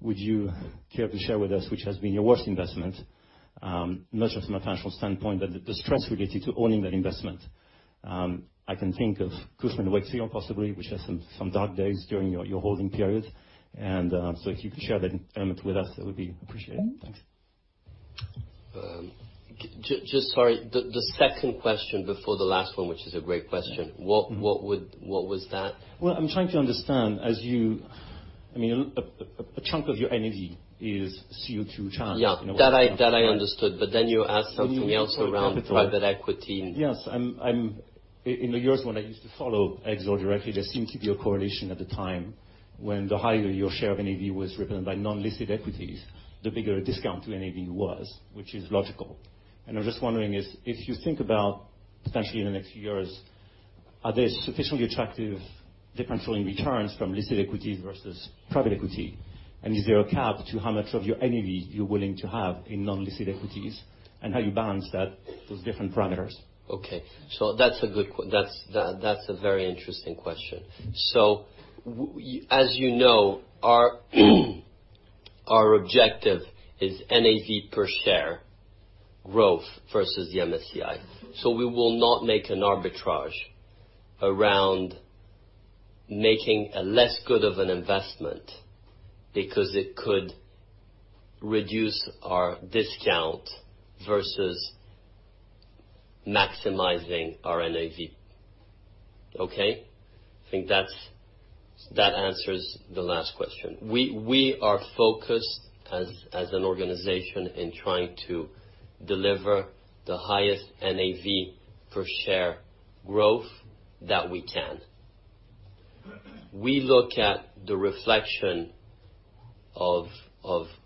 Would you care to share with us which has been your worst investment? Not just from a financial standpoint, but the stress related to owning that investment. I can think of Cushman & Wakefield, possibly, which has some dark days during your holding period. If you could share that element with us, that would be appreciated. Thanks. Just sorry, the second question before the last one, which is a great question, what was that? Well, I'm trying to understand. A chunk of your NAV is CO2 challenge. Yeah, that I understood, you asked something else around private equity. Yes. In the years when I used to follow Exor directly, there seemed to be a correlation at the time when the higher your share of NAV was represented by non-listed equities, the bigger discount to NAV was, which is logical. I was just wondering, if you think about potentially in the next few years, are they sufficiently attractive, differentiating returns from listed equities versus private equity? Is there a cap to how much of your NAV you're willing to have in non-listed equities and how you balance that with different parameters? Okay. That's a very interesting question. As you know, our objective is NAV per share growth versus the MSCI. We will not make an arbitrage around making a less good of an investment, because it could reduce our discount versus maximizing our NAV. Okay. I think that answers the last question. We are focused as an organization in trying to deliver the highest NAV per share growth that we can. We look at the reflection of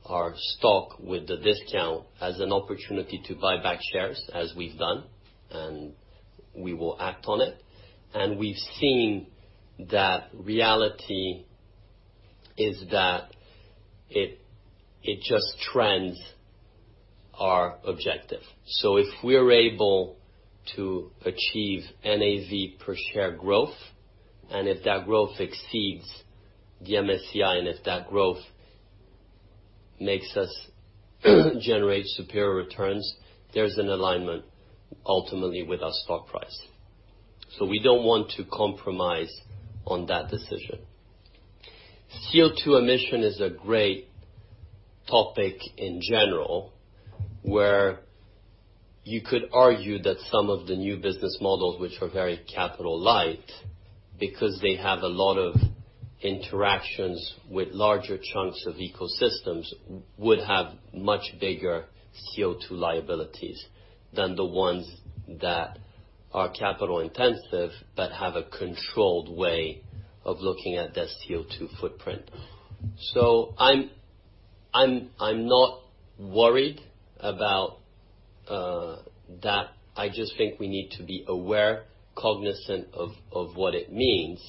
our stock with the discount as an opportunity to buy back shares, as we've done, and we will act on it. We've seen that reality is that it just trends our objective. If we're able to achieve NAV per share growth, and if that growth exceeds the MSCI, and if that growth makes us generate superior returns, there's an alignment ultimately with our stock price. We don't want to compromise on that decision. CO2 emission is a great topic in general, where you could argue that some of the new business models which are very capital light, because they have a lot of interactions with larger chunks of ecosystems, would have much bigger CO2 liabilities than the ones that are capital intensive, but have a controlled way of looking at their CO2 footprint. I'm not worried about that. I just think we need to be aware, cognizant of what it means,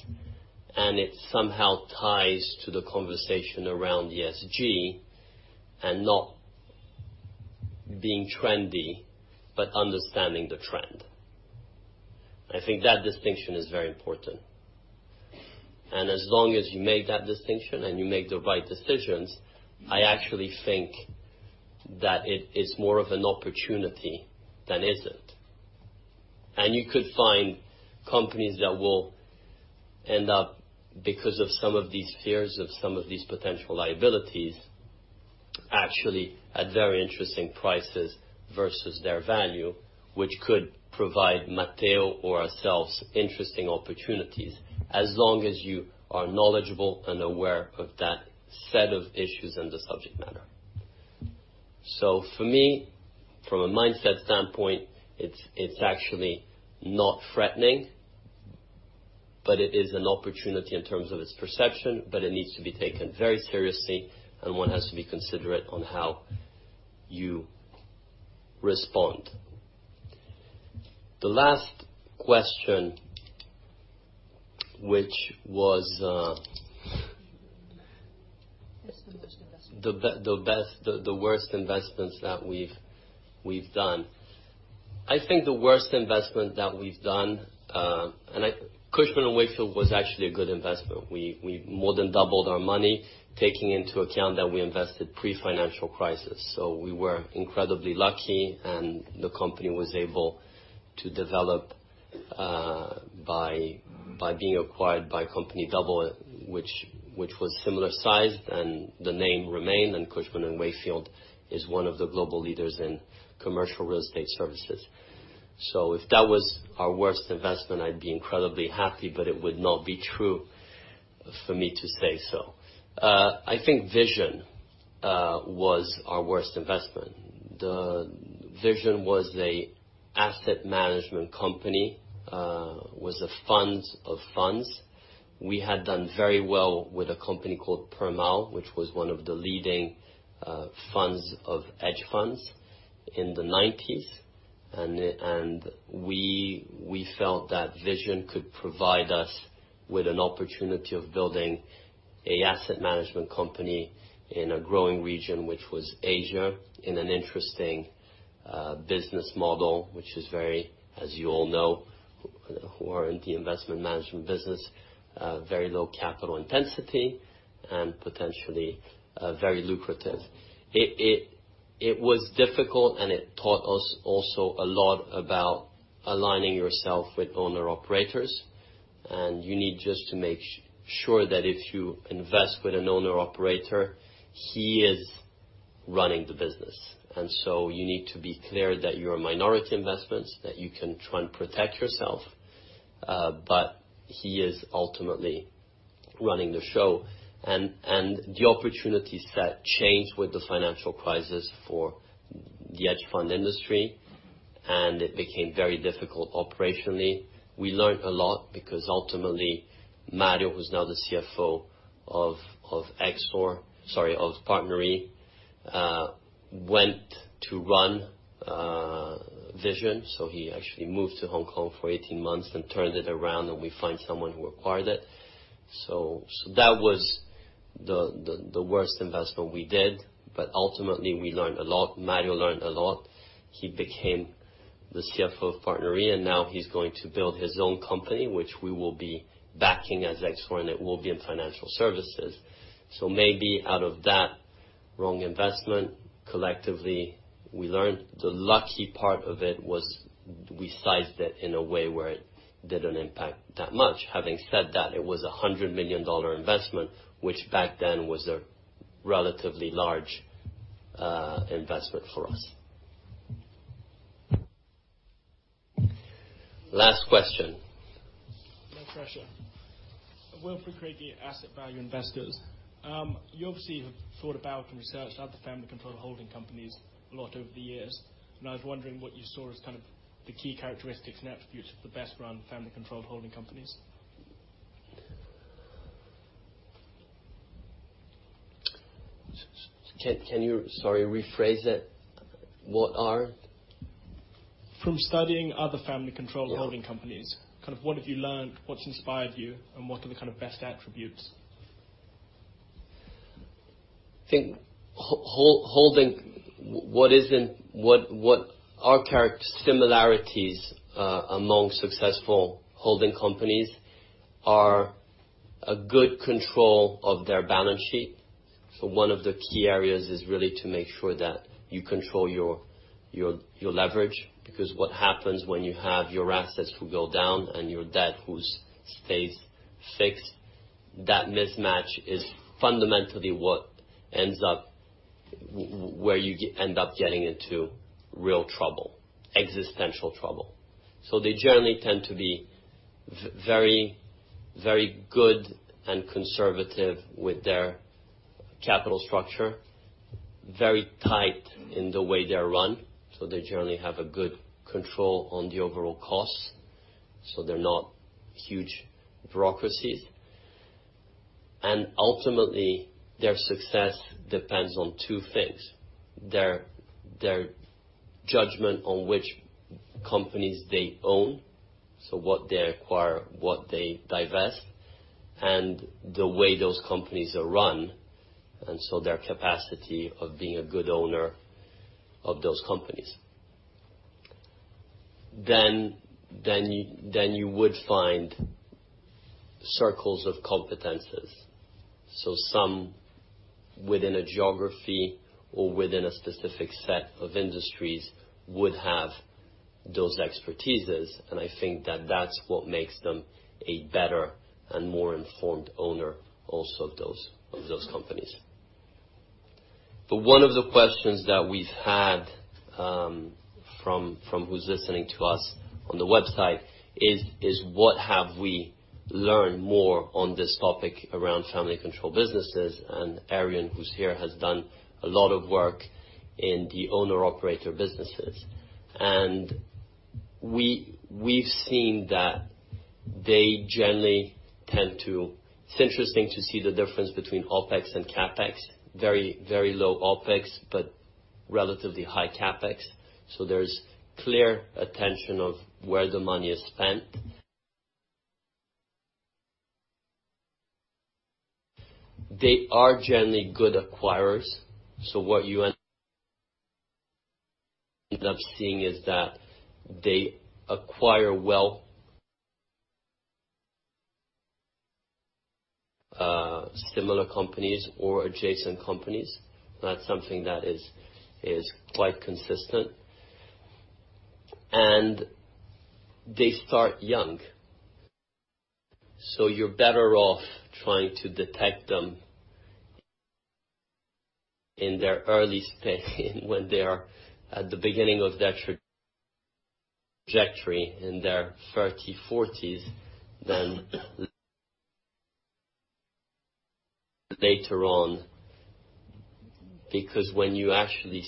and it somehow ties to the conversation around ESG, and not being trendy, but understanding the trend. I think that distinction is very important. As long as you make that distinction and you make the right decisions, I actually think that it is more of an opportunity than is it. You could find companies that will end up, because of some of these fears of some of these potential liabilities, actually at very interesting prices versus their value, which could provide Matteo or ourselves interesting opportunities, as long as you are knowledgeable and aware of that set of issues and the subject matter. For me, from a mindset standpoint, it's actually not threatening, but it is an opportunity in terms of its perception, but it needs to be taken very seriously and one has to be considerate on how you respond. The last question, which was, The worst investments that we've done. I think the worst investment that we've done Cushman & Wakefield was actually a good investment. We more than doubled our money, taking into account that we invested pre-financial crisis. We were incredibly lucky, and the company was able to develop by being acquired by a company double which was similar size, and the name remained, and Cushman & Wakefield is one of the global leaders in commercial real estate services. If that was our worst investment, I'd be incredibly happy, but it would not be true for me to say so. I think Vision was our worst investment. Vision was a asset management company, was a fund of funds. We had done very well with a company called Permal, which was one of the leading funds of hedge funds in the '90s. We felt that Vision could provide us with an opportunity of building a asset management company in a growing region, which was Asia, in an interesting business model, which is very, as you all know, who are in the investment management business, very low capital intensity and potentially very lucrative. It was difficult and it taught us also a lot about aligning yourself with owner operators. You need just to make sure that if you invest with an owner operator, he is running the business. You need to be clear that you're a minority investment, that you can try and protect yourself. He is ultimately running the show. The opportunity set changed with the financial crisis for the hedge fund industry, and it became very difficult operationally. We learned a lot because ultimately Mario, who's now the CFO of Exor, sorry, of PartnerRe, went to run Vision. He actually moved to Hong Kong for 18 months and turned it around, and we find someone who acquired it. That was the worst investment we did. Ultimately, we learned a lot. Mario learned a lot. He became the CFO of PartnerRe, and now he's going to build his own company, which we will be backing as Exor, and it will be in financial services. Maybe out of that wrong investment, collectively, we learned. The lucky part of it was we sized it in a way where it didn't impact that much. Having said that, it was a EUR 100 million investment, which back then was a relatively large investment for us. Last question. No pressure. Wil Craigie, Asset Value Investors. You obviously have thought about and researched other family-controlled holding companies a lot over the years, I was wondering what you saw as the key characteristics and attributes of the best-run family-controlled holding companies. Can you, sorry, rephrase that? What are From studying other family-controlled holding companies, what have you learned, what's inspired you, and what are the best attributes? I think, what are similarities among successful holding companies are a good control of their balance sheet. One of the key areas is really to make sure that you control your leverage, because what happens when you have your assets will go down and your debt who's stays fixed. That mismatch is fundamentally where you end up getting into real trouble, existential trouble. They generally tend to be very good and conservative with their capital structure. Very tight in the way they're run, so they generally have a good control on the overall costs. They're not huge bureaucracies. Ultimately, their success depends on two things. Their judgment on which companies they own. What they acquire, what they divest. The way those companies are run, and so their capacity of being a good owner of those companies. You would find circles of competences. Some within a geography or within a specific set of industries would have those expertises, and I think that that's what makes them a better and more informed owner also of those companies. One of the questions that we've had from who's listening to us on the website is, what have we learned more on this topic around family controlled businesses? [Aryan], who's here, has done a lot of work in the owner/operator businesses. We've seen that they generally tend to. It's interesting to see the difference between OpEx and CapEx. Very low OpEx, but relatively high CapEx. There's clear attention of where the money is spent. They are generally good acquirers. What you end up seeing is that they acquire well similar companies or adjacent companies. That's something that is quite consistent. They start young. You're better off trying to detect them in their early when they are at the beginning of their trajectory in their 30, 40s, than later on. Because when you actually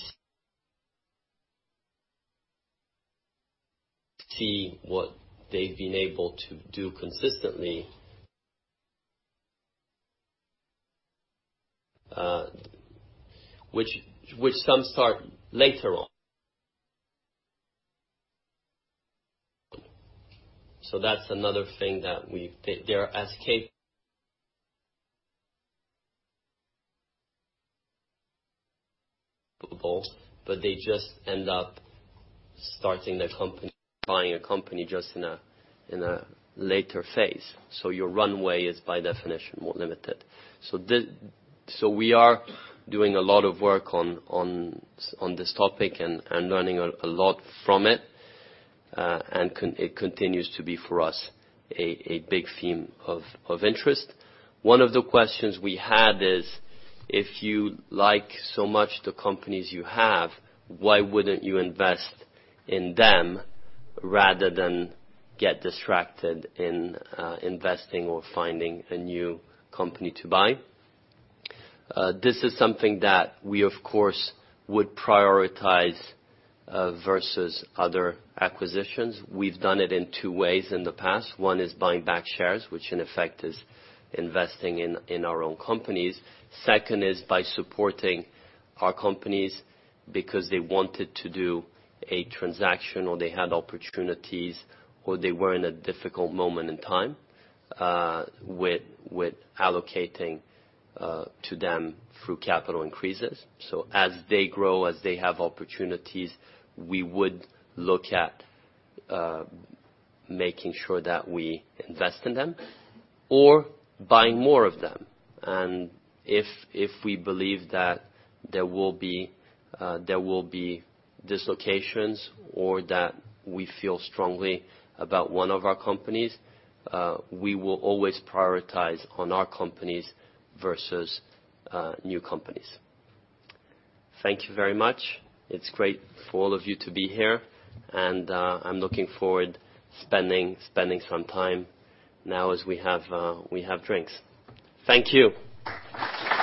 see what they've been able to do consistently, which some start later on. That's another thing that They're as capable, but they just end up starting a company buying a company just in a later phase. Your runway is, by definition, more limited. We are doing a lot of work on this topic and learning a lot from it. It continues to be for us a big theme of interest. One of the questions we had is, if you like so much the companies you have, why wouldn't you invest in them rather than get distracted in investing or finding a new company to buy? This is something that we, of course, would prioritize versus other acquisitions. We've done it in two ways in the past. One is buying back shares, which in effect is investing in our own companies. Second is by supporting our companies because they wanted to do a transaction or they had opportunities or they were in a difficult moment in time with allocating to them through capital increases. As they grow, as they have opportunities, we would look at making sure that we invest in them or buying more of them. If we believe that there will be dislocations or that we feel strongly about one of our companies, we will always prioritize on our companies versus new companies. Thank you very much. It's great for all of you to be here, and I'm looking forward spending some time now as we have drinks. Thank you.